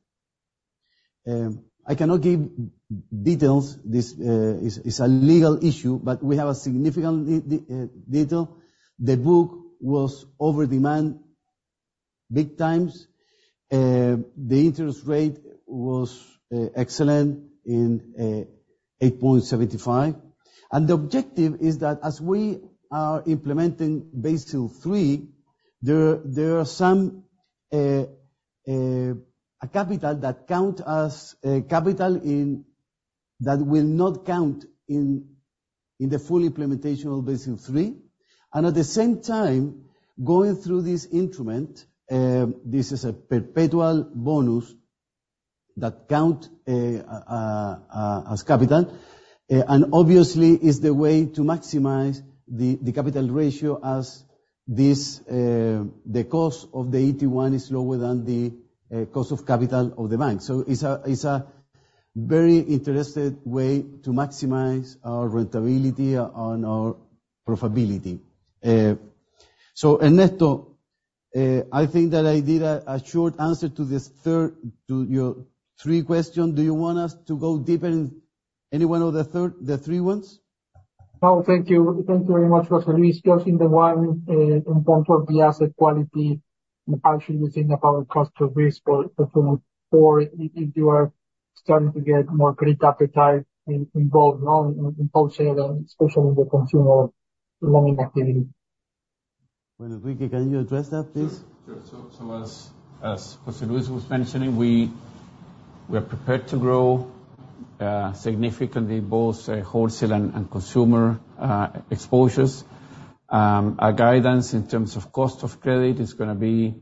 I cannot give details. This is a legal issue, but we have a significant demand. The book was oversubscribed many times. The interest rate was excellent at 8.75%. The objective is that as we are implementing Basel III, there are some capital that count as capital that will not count in the full implementation of Basel III. At the same time, going through this instrument, this is a perpetual bond that counts as capital. Obviously it is the way to maximize the capital ratio with this, the cost of the AT1 is lower than the cost of capital of the bank. It is a very interesting way to maximize our profitability. Ernesto, I think that I did a short answer to this third to your three questions. Do you want us to go deeper in any one of the three ones? Thank you. Thank you very much, José Luis. Just the one in terms of the asset quality, how should we think about cost of risk if you are starting to get more credit appetite in both loan in wholesale, especially in the consumer lending activity? Juan Enrique Pino, can you address that, please? Sure, as José Luis was mentioning, we are prepared to grow significantly, both wholesale and consumer exposures. Our guidance in terms of cost of credit is gonna be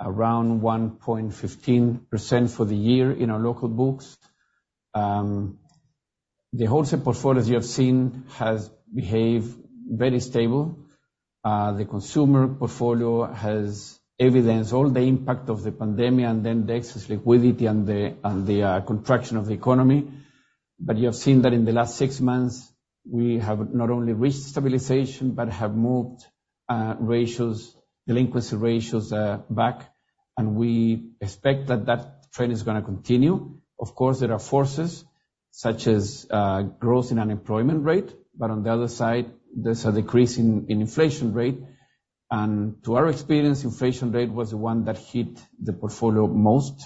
around 1.15% for the year in our local books. The wholesale portfolio, as you have seen, has behaved very stable. The consumer portfolio has evidenced all the impact of the pandemic, and then the excess liquidity and the contraction of the economy. You have seen that in the last six months, we have not only reached stabilization, but have moved delinquency ratios back, and we expect that trend is gonna continue. Of course, there are forces such as growth in unemployment rate. On the other side, there's a decrease in inflation rate. From our experience, inflation rate was the one that hit the portfolio most,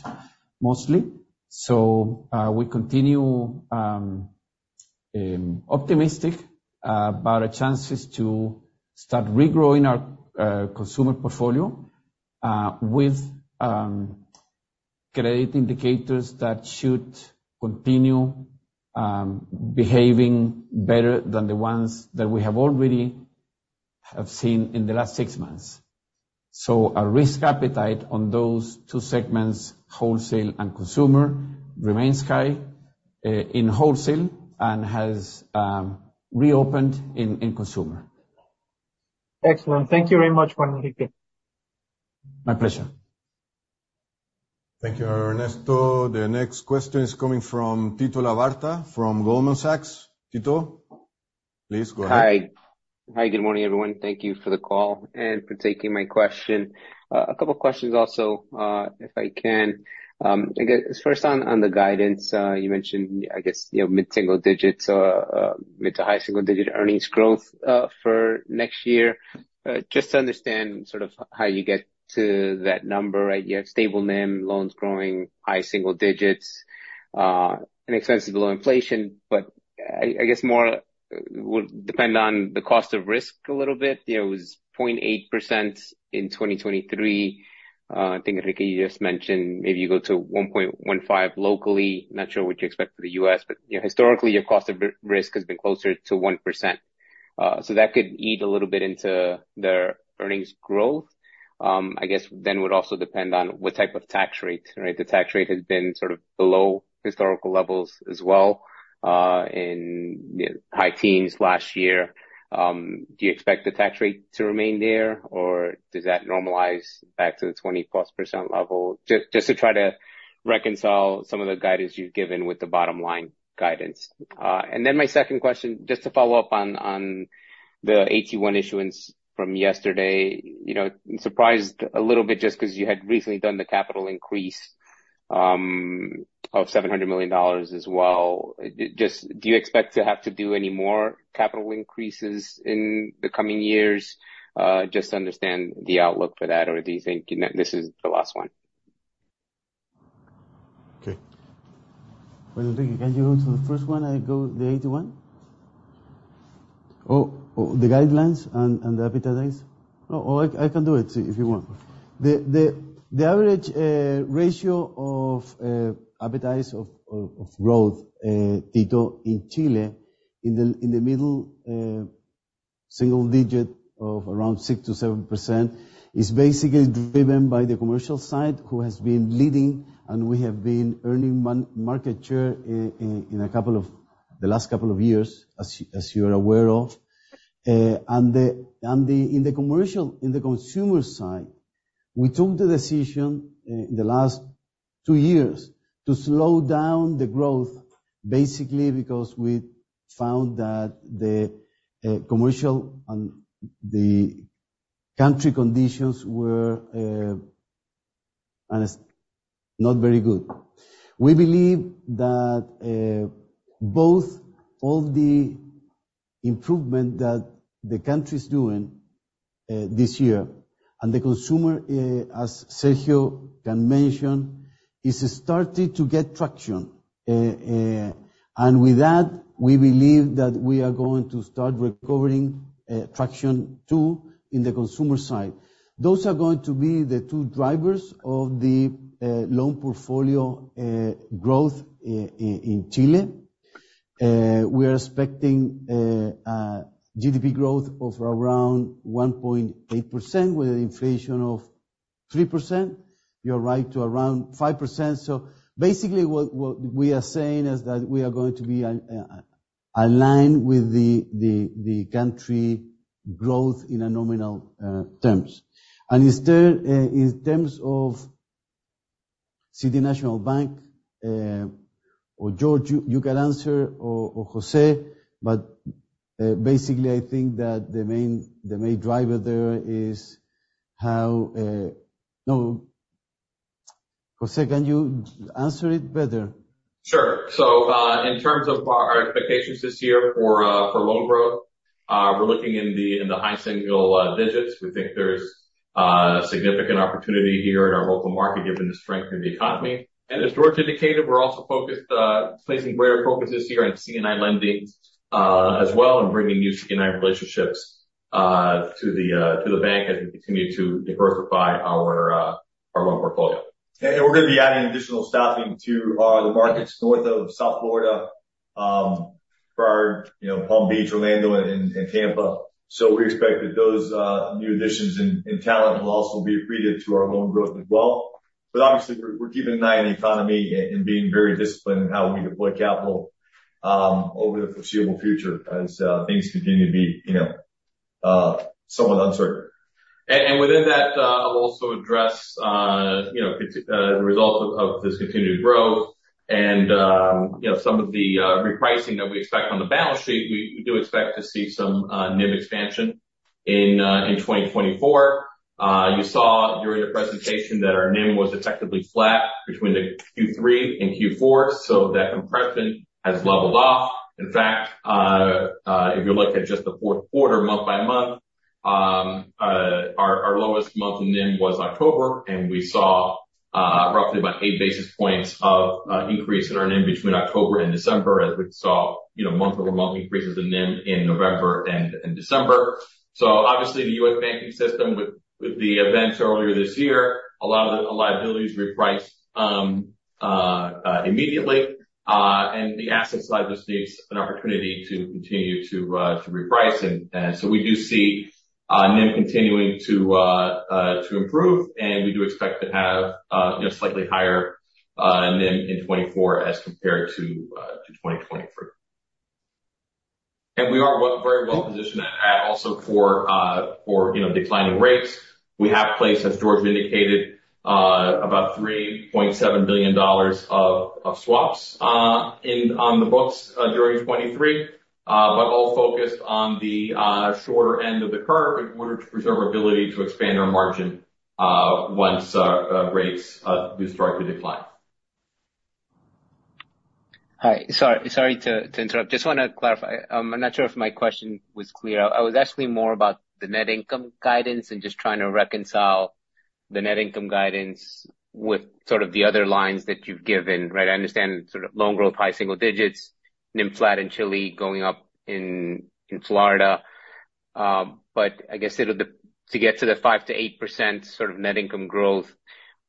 mostly. We continue optimistic about our chances to start regrowing our consumer portfolio with credit indicators that should continue behaving better than the ones that we have already seen in the last six months. Our risk appetite on those two segments, wholesale and consumer, remains high in wholesale and has reopened in consumer. Excellent. Thank you very much, Juan Enrique. My pleasure. Thank you, Ernesto. The next question is coming from Tito Labarta from Goldman Sachs. Tito, please go ahead. Hi. Hi, good morning, everyone. Thank you for the call and for taking my question. A couple questions also, if I can. I guess first on the guidance, you mentioned, I guess, you know, mid-single digits or, mid-to-high single digit earnings growth, for next year. Just to understand sort of how you get to that number, right? You have stable NIM, loans growing high single digits, and expenses below inflation. I guess more would depend on the cost of risk a little bit. You know, it was 0.8% in 2023. I think, Enrique, you just mentioned maybe you go to 1.15 locally. Not sure what you expect for the US, but, you know, historically, your cost of risk has been closer to 1%. That could eat a little bit into their earnings growth. I guess then would also depend on what type of tax rate, right? The tax rate has been sort of below historical levels as well, in, you know, high teens% last year. Do you expect the tax rate to remain there, or does that normalize back to the 20%+ level? Just to try to reconcile some of the guidance you've given with the bottom line guidance. My second question, just to follow up on the AT1 issuance from yesterday. You know, surprised a little bit just 'cause you had recently done the capital increase, of $700 million as well. Just do you expect to have to do any more capital increases in the coming years, just to understand the outlook for that? Do you think this is the last one? Okay. Juan Enrique Pino, can you go to the first one? AT1? The guidelines and the appetites? I can do it, if you want. The average ratio of appetite for growth, Tito, in Chile, in the mid single digit of around 6%-7%, is basically driven by the commercial side, who has been leading, and we have been earning market share in the last couple of years, as you're aware of. In the consumer side, we took the decision in the last two years to slow down the growth, basically because we found that the commercial and the country conditions were not very good. We believe that both the improvement that the country's doing this year and the consumer, as Sergio can mention, is starting to get traction. With that, we believe that we are going to start recovering traction too in the consumer side. Those are going to be the two drivers of the loan portfolio growth in Chile. We are expecting GDP growth of around 1.8% with an inflation of 3%. You're right, to around 5%. Basically what we are saying is that we are going to be aligned with the country growth in a nominal terms. In terms of City National Bank, or Jorge, you can answer or José, but basically I think that the main driver there is. No. José, can you answer it better? Sure. In terms of our expectations this year for loan growth, we're looking in the high single digits. We think there's significant opportunity here in our local market, given the strength in the economy. As Jorge indicated, we're also placing greater focus this year on C&I lending as well, and bringing new C&I relationships to the bank as we continue to diversify our loan portfolio. We're gonna be adding additional staffing to the markets north of South Florida for you know Palm Beach, Orlando, and Tampa. We expect that those new additions and talent will also be accretive to our loan growth as well. Obviously we're keeping an eye on the economy and being very disciplined in how we deploy capital over the foreseeable future as things continue to be you know somewhat uncertain. Within that, I'll also address, you know, the results of this continued growth and, you know, some of the repricing that we expect on the balance sheet. We do expect to see some NIM expansion in 2024. You saw during the presentation that our NIM was effectively flat between the Q3 and Q4, so that compression has leveled off. In fact, if you look at just the fourth quarter month by month, our lowest month in NIM was October, and we saw roughly about eight basis points of increase in our NIM between October and December as we saw, you know, month-over-month increases in NIM in November and in December. Obviously, the U.S. banking system, with the events earlier this year, a lot of the liabilities reprice immediately. The assets side just needs an opportunity to continue to reprice. We do see NIM continuing to improve, and we do expect to have you know slightly higher NIM in 2024 as compared to 2023. We are very well positioned also for you know declining rates. We have placed, as Jorge indicated, about $3.7 billion of swaps on the books during 2023. All focused on the shorter end of the curve in order to preserve our ability to expand our margin once rates do start to decline. Hi, sorry to interrupt. Just wanna clarify. I'm not sure if my question was clear. I was asking more about the net income guidance and just trying to reconcile the net income guidance with sort of the other lines that you've given, right? I understand sort of loan growth, high single digits, NIM flat in Chile, going up in Florida. But I guess sort of to get to the 5%-8% sort of net income growth,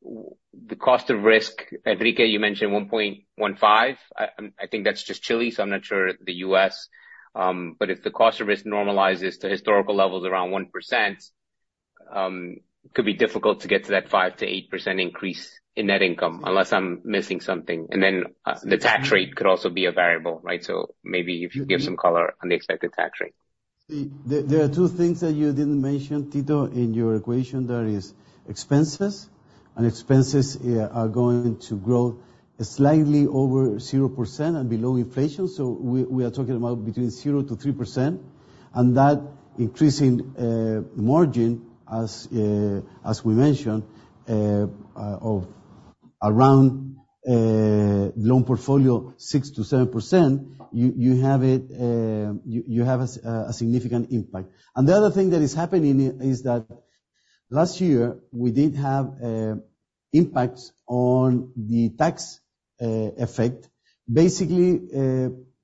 the cost of risk, Enrique, you mentioned 1.15. I think that's just Chile, so I'm not sure the US. But if the cost of risk normalizes to historical levels around 1%, could be difficult to get to that 5%-8% increase in net income, unless I'm missing something. The tax rate could also be a variable, right? Maybe if you give some color on the expected tax rate. There are two things that you didn't mention, Tito, in your equation. There are expenses, and expenses are going to grow slightly over 0% and below inflation. We are talking about between 0%-3%. That increasing margin as we mentioned of around loan portfolio 6%-7%, you have it, you have a significant impact. The other thing that is happening is that last year we did have impacts on the tax effect, basically,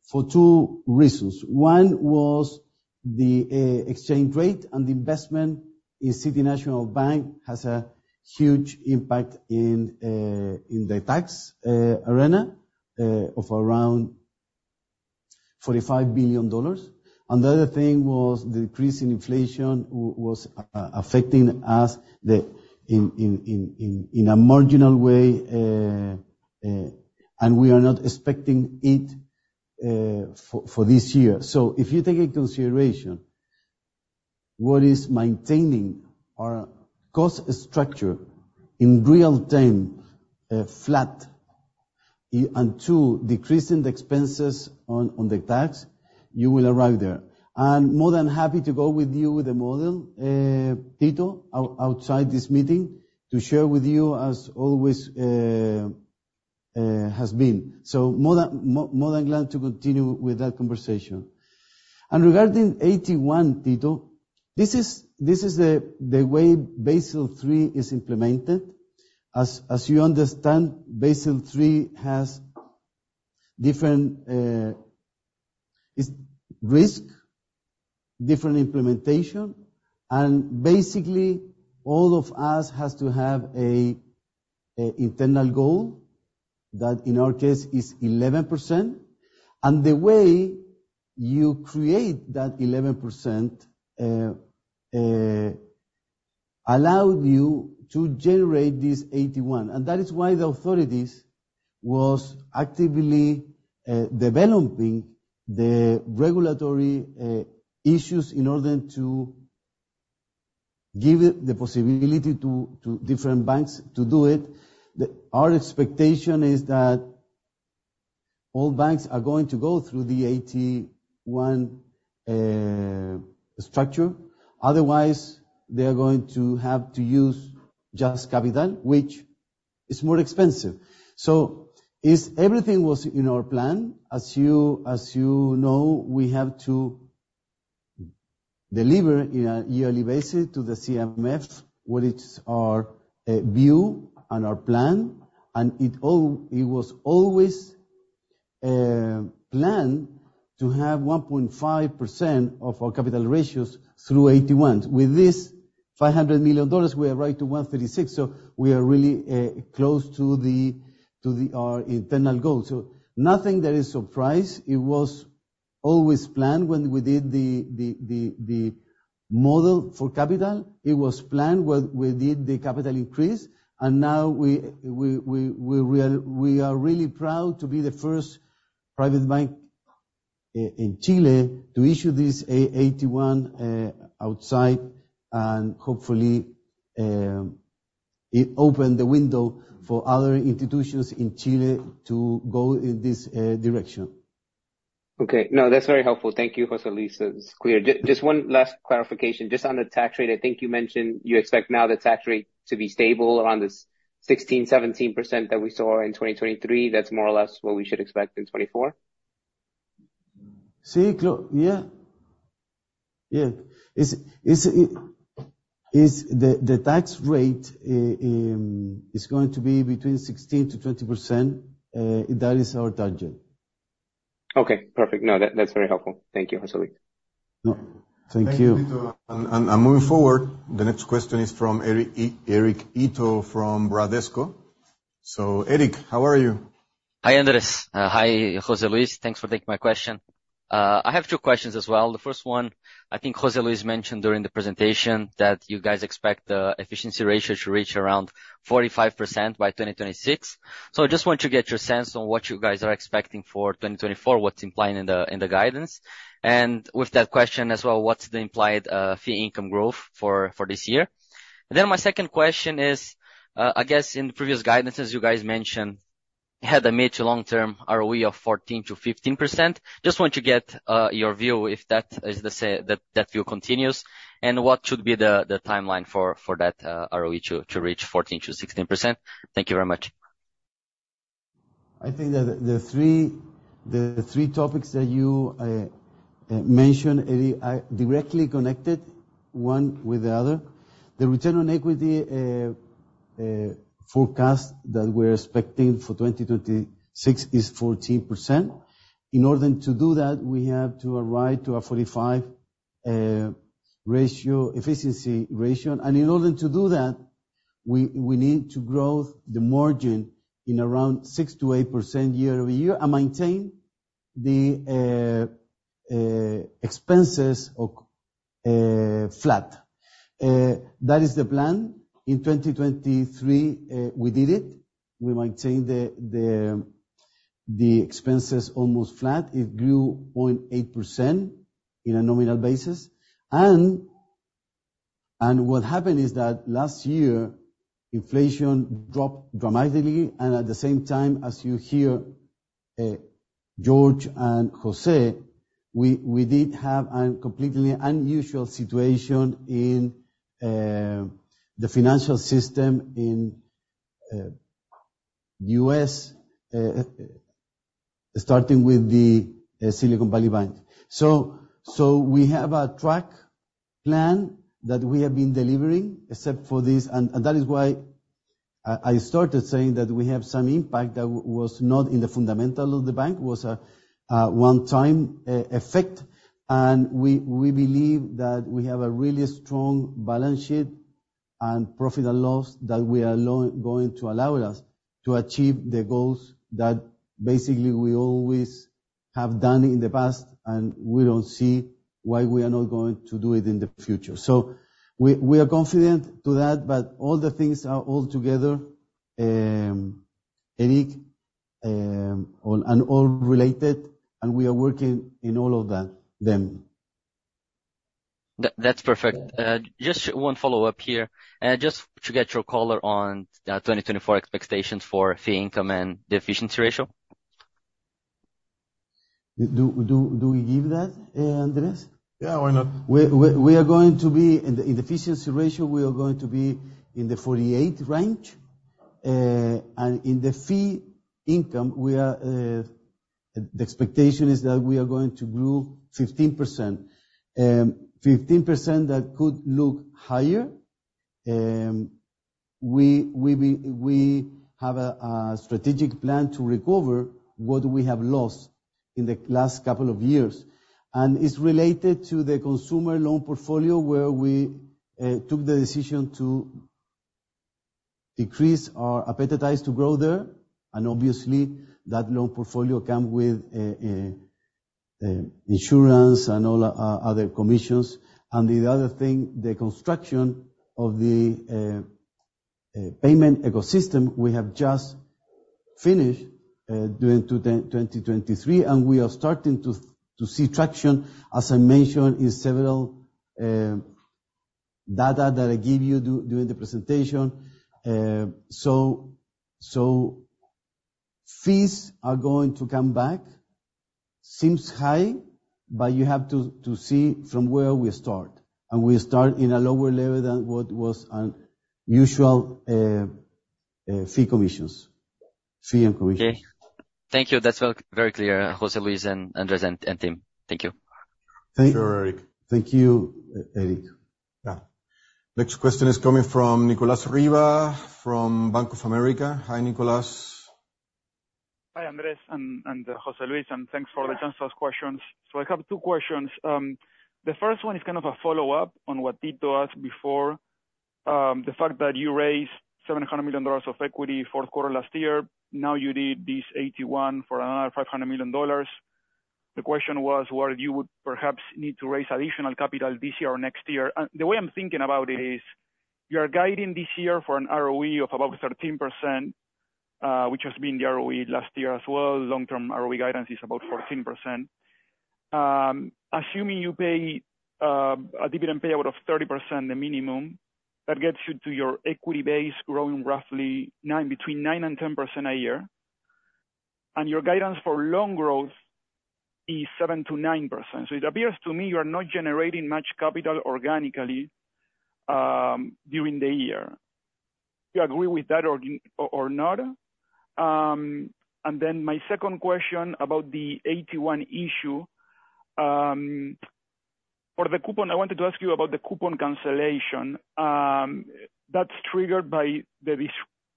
for two reasons. One was the exchange rate and the investment in City National Bank has a huge impact in the tax arena of around $45 billion. The other thing was the increase in inflation was affecting us in a marginal way, and we are not expecting it for this year. If you take into consideration what is maintaining our cost structure in real terms flat and too decreasing the expenses on the tax, you will arrive there. I'm more than happy to go with you with the model, Tito, outside this meeting to share with you, as always has been. More than glad to continue with that conversation. Regarding AT1, Tito, this is the way Basel III is implemented. As you understand, Basel III has different risk different implementation. Basically, all of us has to have a internal goal that in our case is 11%. The way you create that 11% allows you to generate this AT1. That is why the authorities was actively developing the regulatory issues in order to give it the possibility to different banks to do it. Our expectation is that all banks are going to go through the AT1 structure. Otherwise, they are going to have to use just capital, which is more expensive. Everything was in our plan. As you know, we have to deliver on a yearly basis to the CMF what is our view and our plan, and it was always planned to have 1.5% of our capital ratios through AT1. With this $500 million, we are right at 13.6, so we are really close to our internal goal. Nothing there is a surprise. It was always planned when we did the model for capital. It was planned when we did the capital increase. Now we are really proud to be the first private bank in Chile to issue this AT1 outside, and hopefully it opens the window for other institutions in Chile to go in this direction. Okay. No, that's very helpful. Thank you, José Luis. It's clear. Just one last clarification. Just on the tax rate, I think you mentioned you expect now the tax rate to be stable around this 16%-17% that we saw in 2023. That's more or less what we should expect in 2024? Yeah. The tax rate is going to be between 16%-20%. That is our target. Okay, perfect. No, that's very helpful. Thank you, José Luis. No. Thank you. Thank you, Tito. Moving forward, the next question is from Eric Ito from Bradesco. Eric, how are you? Hi, Andrés. Hi, José Luis. Thanks for taking my question. I have two questions as well. The first one, I think José Luis mentioned during the presentation that you guys expect the efficiency ratio to reach around 45% by 2026. I just want to get your sense on what you guys are expecting for 2024, what's implied in the, in the guidance. And with that question as well, what's the implied, fee income growth for this year? My second question is, I guess in the previous guidances, you guys mentioned had a mid to long term ROE of 14%-15%. Just want to get, your view if that is the that view continues, and what should be the timeline for that, ROE to reach 14%-16%. Thank you very much. I think that the three topics that you mentioned, Eric, are directly connected one with the other. The return on equity forecast that we're expecting for 2026 is 14%. In order to do that, we have to arrive to a 45% efficiency ratio. In order to do that, we need to grow the margin in around 6%-8% year-over-year and maintain the expenses flat. That is the plan. In 2023, we did it. We maintained the expenses almost flat. It grew 0.8% in a nominal basis. What happened is that last year, inflation dropped dramatically, and at the same time, as you hear, Jorge and José, we did have a completely unusual situation in the financial system in the U.S., starting with the Silicon Valley Bank. We have a track plan that we have been delivering, except for this. That is why I started saying that we have some impact that was not in the fundamentals of the bank, was a one-time effect. We believe that we have a really strong balance sheet and profit and loss that we are going to allow us to achieve the goals that basically we always have done in the past, and we don't see why we are not going to do it in the future. We are confident to that, but all the things are all together, Eric, all in all related, and we are working in all of them. That's perfect. Just one follow-up here, just to get your color on the 2024 expectations for fee income and the efficiency ratio. Do we give that, Andrés? Yeah, why not? We are going to be in the efficiency ratio. We are going to be in the 48% range. In the fee income, we are, the expectation is that we are going to grow 15%. 15% that could look higher. We have a strategic plan to recover what we have lost in the last couple of years. It's related to the consumer loan portfolio where we took the decision to increase our appetite to grow there, and obviously, that loan portfolio comes with insurance and all other commissions. The other thing, the construction of the payment ecosystem, we have just finished during 2023, and we are starting to see traction, as I mentioned, in several data that I gave you during the presentation. Fees are going to come back. Seems high, but you have to see from where we start, and we start in a lower level than what was an usual fee and commissions. Okay. Thank you. That's very clear, José Luis and Andrés and team. Thank you. Thank- Sure, Eric. Thank you, Eric. Yeah. Next question is coming from Nicolas Riva from Bank of America. Hi, Nicolas. Hi, Andrés and José Luis, thanks for the chance to ask questions. I have two questions. The first one is kind of a follow-up on what Tito asked before. The fact that you raised $700 million of equity fourth quarter last year. Now you did this AT1 for another $500 million. The question was, whether you would perhaps need to raise additional capital this year or next year. The way I'm thinking about it is, you're guiding this year for an ROE of about 13%, which has been the ROE last year as well. Long-term ROE guidance is about 14%. Assuming you pay a dividend payout of 30% the minimum, that gets you to your equity base growing roughly between 9% and 10% a year. Your guidance for loan growth is 7%-9%. It appears to me you are not generating much capital organically during the year. Do you agree with that or not? My second question about the AT1 issue. For the coupon, I wanted to ask you about the coupon cancellation that's triggered by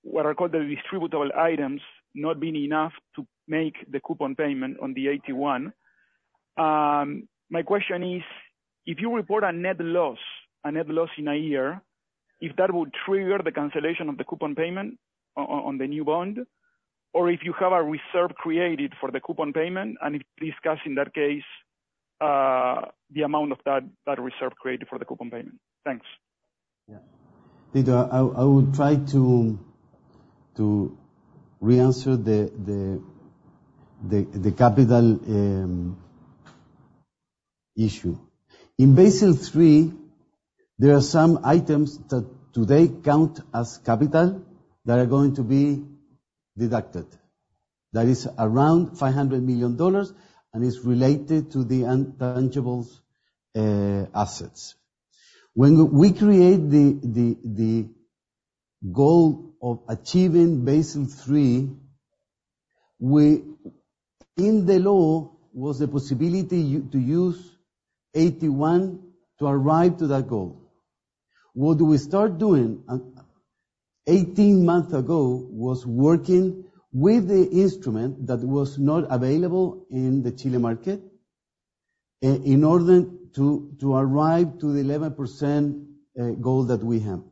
what are called the distributable items not being enough to make the coupon payment on the AT1. My question is, if you report a net loss in a year, if that would trigger the cancellation of the coupon payment on the new bond, or if you have a reserve created for the coupon payment, and if you discuss, in that case, the amount of that reserve created for the coupon payment. Thanks. Yeah. Tito Labarta, I will try to reanswer the capital issue. In Basel III, there are some items that today count as capital that are going to be deducted. That is around $500 million, and it's related to the intangible assets. When we create the goal of achieving Basel III, in the law was the possibility to use AT1 to arrive to that goal. What we start doing 18 months ago was working with the instrument that was not available in the Chile market in order to arrive to the 11% goal that we have.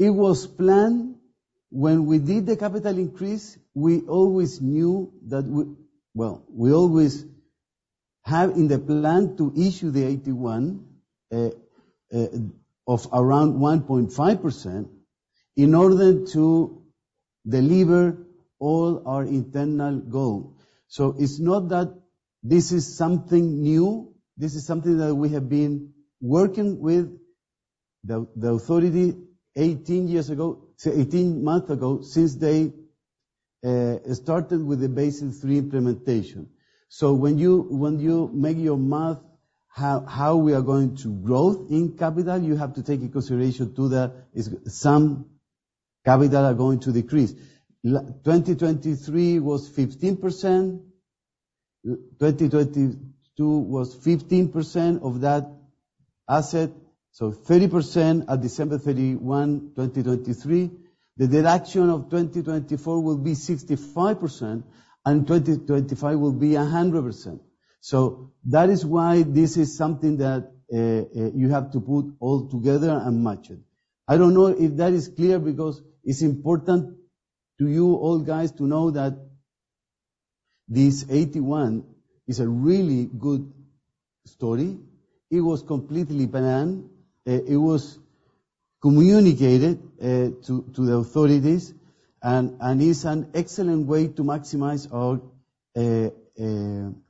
It was planned. When we did the capital increase, we always knew that. Well, we always have in the plan to issue the AT1 of around 1.5% in order to deliver all our internal goal. It's not that this is something new. This is something that we have been working with the authority eighteen months ago, since they started with the Basel III implementation. When you make your math how we are going to growth in capital, you have to take in consideration too that is some capital are going to decrease. 2023 was 15%. 2022 was 15% of that asset, so 30% at December 31, 2023. The deduction of 2024 will be 65%, and 2025 will be 100%. That is why this is something that you have to put all together and match it. I don't know if that is clear, because it's important to you all guys to know that this AT1 is a really good story. It was completely planned. It was communicated to the authorities and is an excellent way to maximize our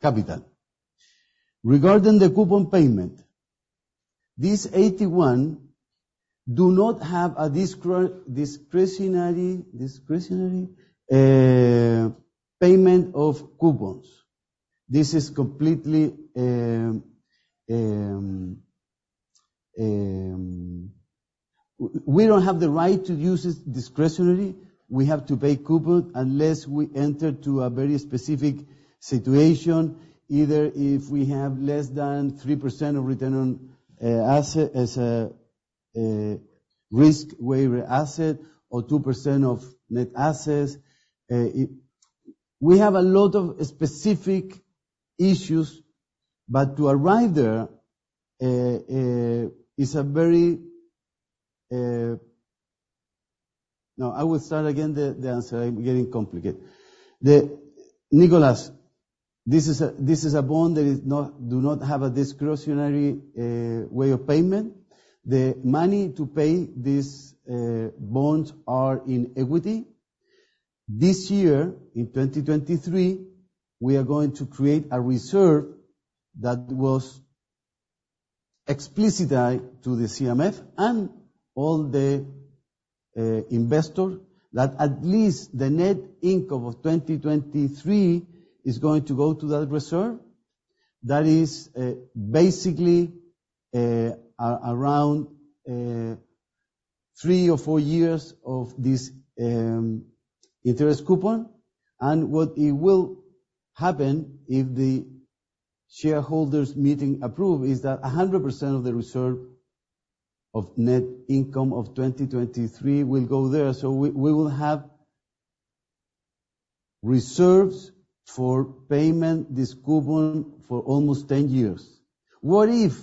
capital. Regarding the coupon payment, this AT1 do not have a discretionary payment of coupons. This is completely. We don't have the right to use this discretionary. We have to pay coupon unless we enter to a very specific situation, either if we have less than 3% of return on asset as a risk-weighted asset or 2% of net assets. No, I will start again the answer. I'm getting complicated. Nicolas, this is a bond that does not have a discretionary way of payment. The money to pay this bonds are in equity. This year, in 2023, we are going to create a reserve that was explicitized to the CMF and all the investors that at least the net income of 2023 is going to go to that reserve. That is basically around three or four years of this interest coupon. What will happen if the shareholders meeting approve is that 100% of the reserve of net income of 2023 will go there. We will have reserves for payment this coupon for almost 10 years. What if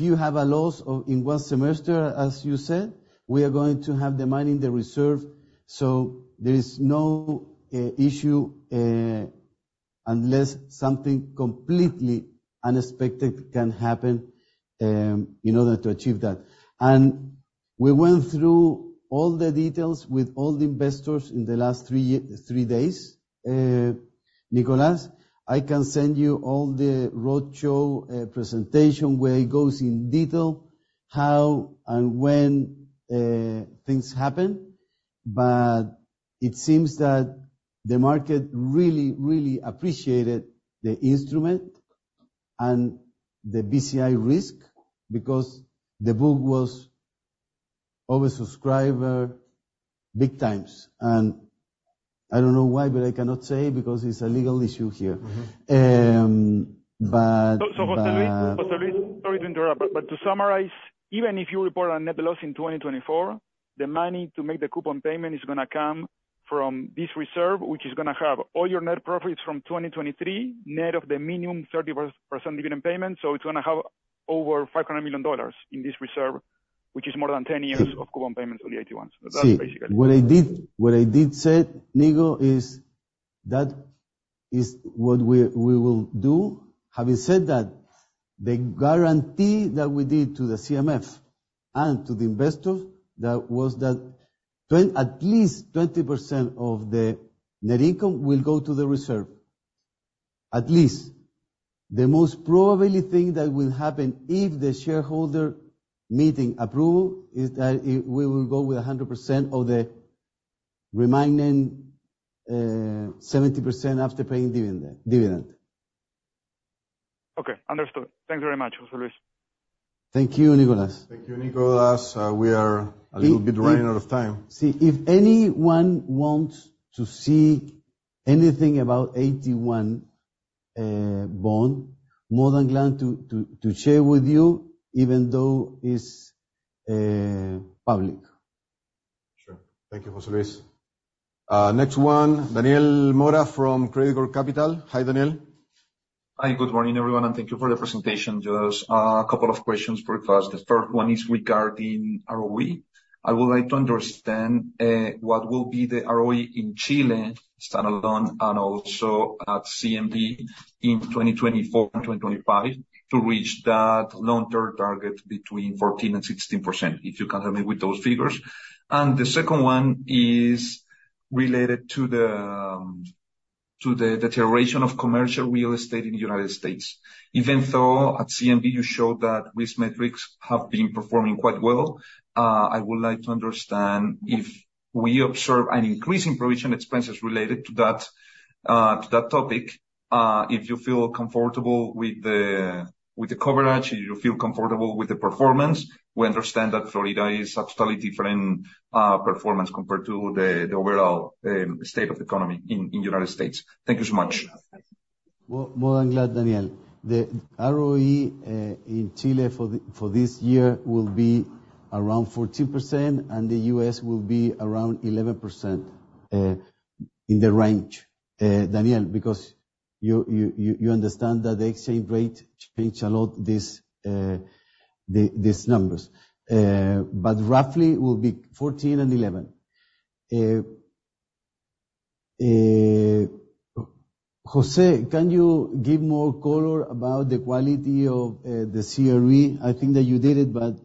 you have a loss in one semester, as you said, we are going to have the money in the reserve, so there is no issue, unless something completely unexpected can happen in order to achieve that. We went through all the details with all the investors in the last three days. Nicolas, I can send you all the roadshow presentation, where it goes in detail how and when things happen. It seems that the market really appreciated the instrument and the Bci risk because the book was oversubscribed big times. I don't know why, but I cannot say because it's a legal issue here. José Luis, sorry to interrupt, but to summarize, even if you report a net loss in 2024, the money to make the coupon payment is gonna come from this reserve, which is gonna have all your net profits from 2023, net of the minimum 30% dividend payment. It's gonna have over $500 million in this reserve, which is more than 10 years of coupon payments on the AT1. That's basically it. Yes. What I did say, Nico, is that what we will do. Having said that, the guarantee that we did to the CMF and to the investors, that was that at least 20% of the net income will go to the reserve, at least. The most probable thing that will happen if the shareholder meeting approval is that it will go with 100% of the remaining 70% after paying dividend. Okay. Understood. Thank you very much, José Luis. Thank you, Nicolas. Thank you, Nicolas. We are a little bit running out of time. Yes. If anyone wants to see anything about AT1 bond, more than glad to share with you, even though it's public. Sure. Thank you, José Luis. Next one, Daniel Mora from Credicorp Capital. Hi, Daniel. Hi. Good morning, everyone, and thank you for the presentation. Just a couple of questions real fast. The first one is regarding ROE. I would like to understand what will be the ROE in Chile standalone and also at CNB in 2024 and 2025 to reach that long-term target between 14% and 16%, if you can help me with those figures. The second one is related to the deterioration of commercial real estate in the United States. Even though at CNB you showed that risk metrics have been performing quite well, I would like to understand if we observe an increase in provision expenses related to that topic, if you feel comfortable with the coverage, if you feel comfortable with the performance. We understand that Florida is a totally different performance compared to the overall state of economy in the United States. Thank you so much. More than glad, Daniel. The ROE in Chile for this year will be around 14%, and the U.S. will be around 11%, in the range, Daniel, because you understand that the exchange rate changed a lot, these numbers. José, can you give more color about the quality of the CRE? I think that you did it, but.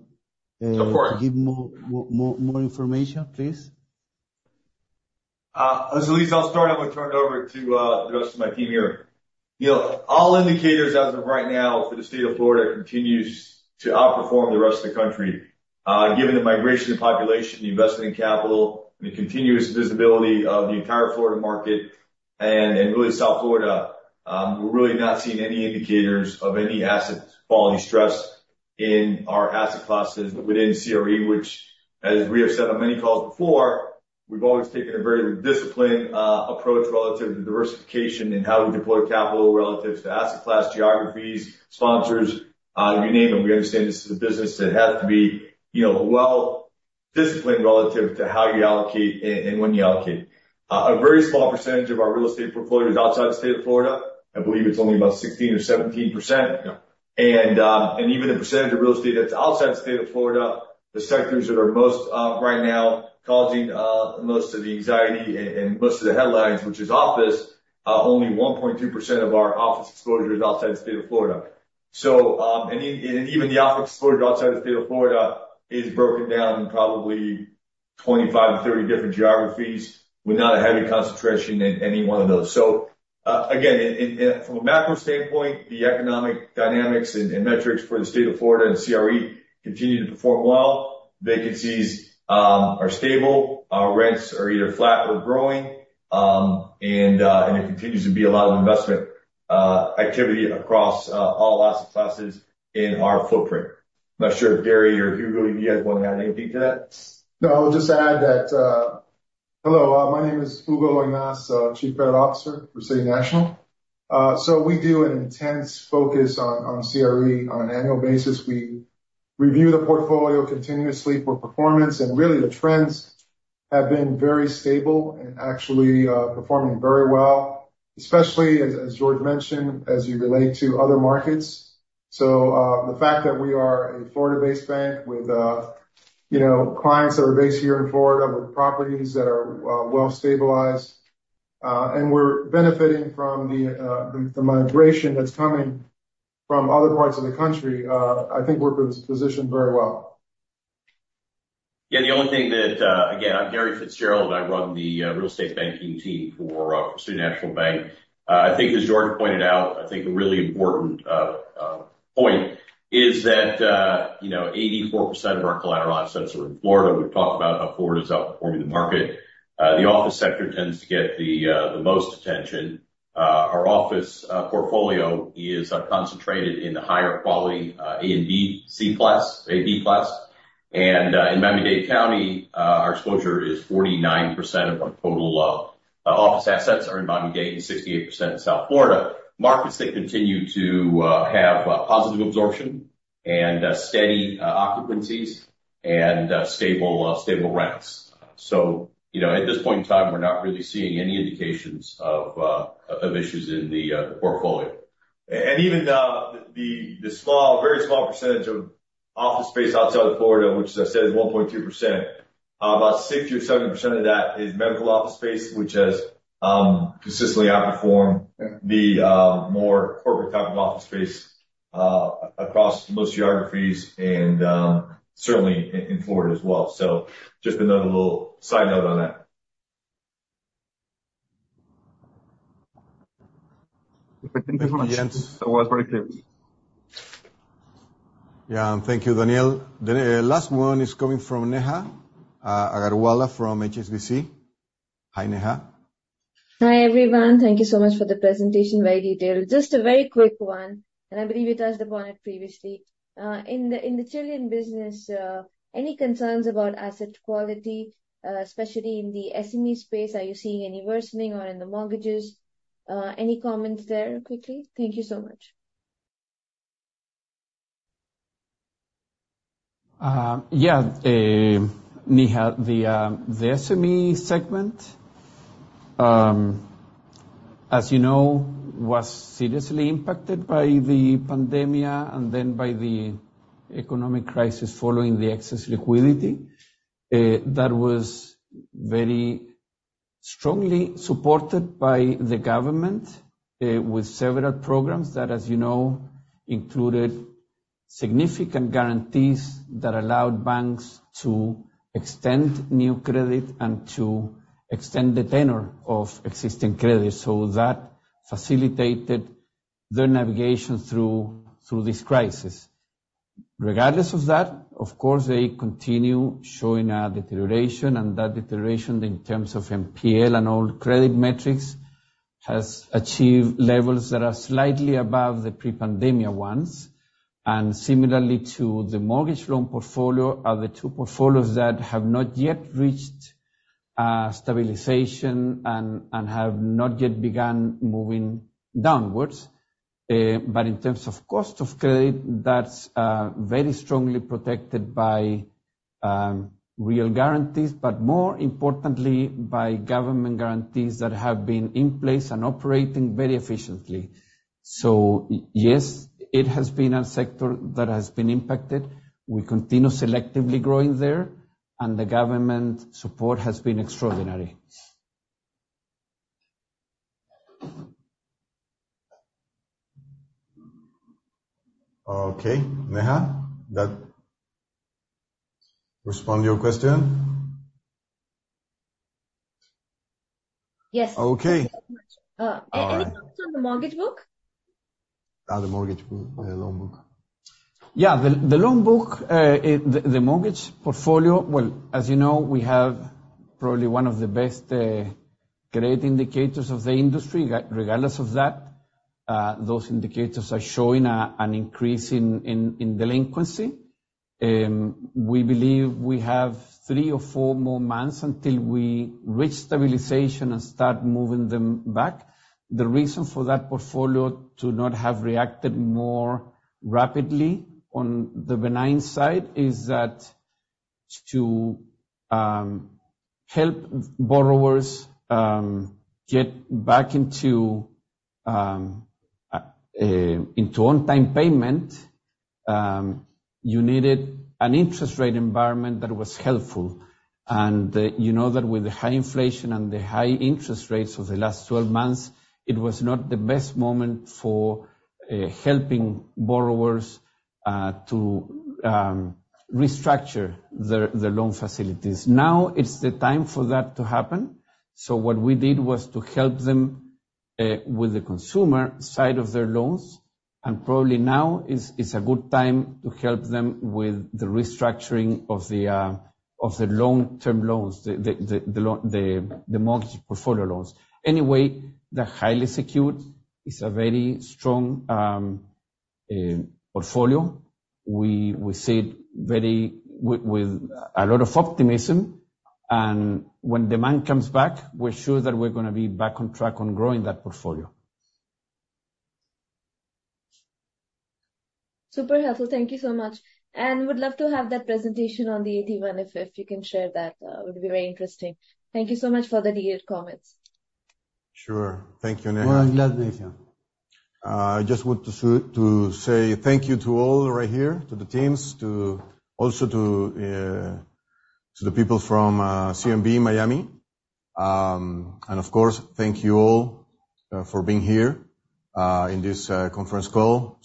Go for it. Give more information, please. José Luis, I'll start, I'm gonna turn it over to the rest of my team here. You know, all indicators as of right now for the state of Florida continues to outperform the rest of the country. Given the migration of population, the investment in capital, and the continuous visibility of the entire Florida market and really South Florida, we're really not seeing any indicators of any asset quality stress in our asset classes within CRE, which as we have said on many calls before, we've always taken a very disciplined approach relative to diversification and how we deploy capital relative to asset class geographies, sponsors, you name them. We understand this is a business that has to be, you know, well-disciplined relative to how you allocate and when you allocate. A very small percentage of our real estate portfolio is outside the state of Florida. I believe it's only about 16%-17%. Yeah. Even the percentage of real estate that's outside the state of Florida in the sectors that are most right now causing most of the anxiety and most of the headlines, which is office, only 1.2% of our office exposure is outside the state of Florida. Even the office exposure outside the state of Florida is broken down in probably 25-30 different geographies with not a heavy concentration in any one of those. From a macro standpoint, the economic dynamics and metrics for the state of Florida and CRE continue to perform well. Vacancies are stable. Our rents are either flat or growing. There continues to be a lot of investment activity across all asset classes in our footprint. I'm not sure if Gary or Hugo, you guys wanna add anything to that? No, I'll just add that. Hello, my name is Hugo Loynaz, chief credit officer for City National. We do an intense focus on CRE on an annual basis. We review the portfolio continuously for performance, and really the trends have been very stable and actually performing very well, especially as George mentioned, as it relates to other markets. The fact that we are a Florida-based bank with, you know, clients that are based here in Florida with properties that are well-stabilized, and we're benefiting from the migration that's coming from other parts of the country, I think we're positioned very well. Yeah, the only thing that, again, I'm Gary Fitzgerald. I run the real estate banking team for City National Bank. I think as Jorge pointed out, I think a really important point is that, you know, 84% of our collateral assets are in Florida. We've talked about how Florida is outperforming the market. The office sector tends to get the most attention. Our office portfolio is concentrated in the higher quality, A and B, C+, A+, B+. In Miami-Dade County, our exposure is 49% of our total office assets are in Miami-Dade and 68% in South Florida. Markets that continue to have positive absorption and steady occupancies and stable rents. You know, at this point in time, we're not really seeing any indications of issues in the portfolio. Even the small very small percentage of office space outside of Florida, which as I said is 1.2%, about 60% or 70% of that is medical office space, which has consistently outperformed. Yeah. The more corporate type of office space across most geographies and certainly in Florida as well. Just another little side note on that. Thank you so much. That was very clear. Yeah. Thank you, Daniel. The last one is coming from Neha Agarwala from HSBC. Hi, Neha. Hi, everyone. Thank you so much for the presentation. Very detailed. Just a very quick one. I believe you touched upon it previously. In the Chilean business, any concerns about asset quality, especially in the SME space? Are you seeing any worsening or in the mortgages? Any comments there quickly? Thank you so much. Neha, the SME segment, as you know, was seriously impacted by the pandemic and then by the economic crisis following the excess liquidity. That was very strongly supported by the government with several programs that, as you know, included significant guarantees that allowed banks to extend new credit and to extend the tenor of existing credit. So that facilitated their navigation through this crisis. Regardless of that, of course, they continue showing a deterioration, and that deterioration in terms of NPL and all credit metrics has achieved levels that are slightly above the pre-pandemic ones. Similarly to the mortgage loan portfolio are the two portfolios that have not yet reached stabilization and have not yet begun moving downwards. In terms of cost of credit, that's very strongly protected by real guarantees, but more importantly by government guarantees that have been in place and operating very efficiently. Yes, it has been a sector that has been impacted. We continue selectively growing there, and the government support has been extraordinary. Okay. Neha, does that respond to your question? Yes. Okay. Thank you so much. Any comments on the mortgage book? The mortgage book, loan book. Yeah. The mortgage portfolio, well, as you know, we have probably one of the best credit indicators of the industry. Regardless of that, those indicators are showing an increase in delinquency. We believe we have three or four more months until we reach stabilization and start moving them back. The reason for that portfolio to not have reacted more rapidly on the benign side is that to help borrowers get back into on-time payment, you needed an interest rate environment that was helpful. You know that with the high inflation and the high interest rates of the last 12 months, it was not the best moment for helping borrowers to restructure the loan facilities. Now it's the time for that to happen. What we did was to help them with the consumer side of their loans, and probably now is a good time to help them with the restructuring of the long-term loans, the mortgage portfolio loans. Anyway, they're highly secured. It's a very strong portfolio. We see it with a lot of optimism. When demand comes back, we're sure that we're gonna be back on track on growing that portfolio. Super helpful. Thank you so much. Would love to have that presentation on the AT1 if you can share that. Would be very interesting. Thank you so much for the detailed comments. Sure. Thank you, Neha. Well, I'm glad, Neha. I just want to say thank you to all right here, to the teams, also to the people from CNB Miami. Of course, thank you all for being here in this conference call.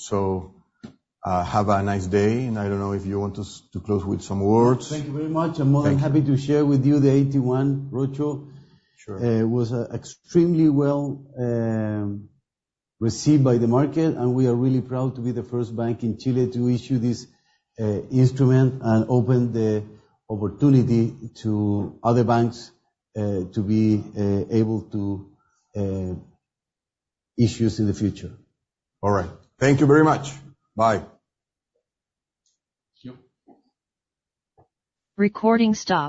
Have a nice day. I don't know if you want us to close with some words. Thank you very much. Thank you. I'm more than happy to share with you the AT1 roadshow. Sure. It was extremely well received by the market, and we are really proud to be the first bank in Chile to issue this instrument and open the opportunity to other banks to be able to issue in the future. All right. Thank you very much. Bye. Sure. Recording stop.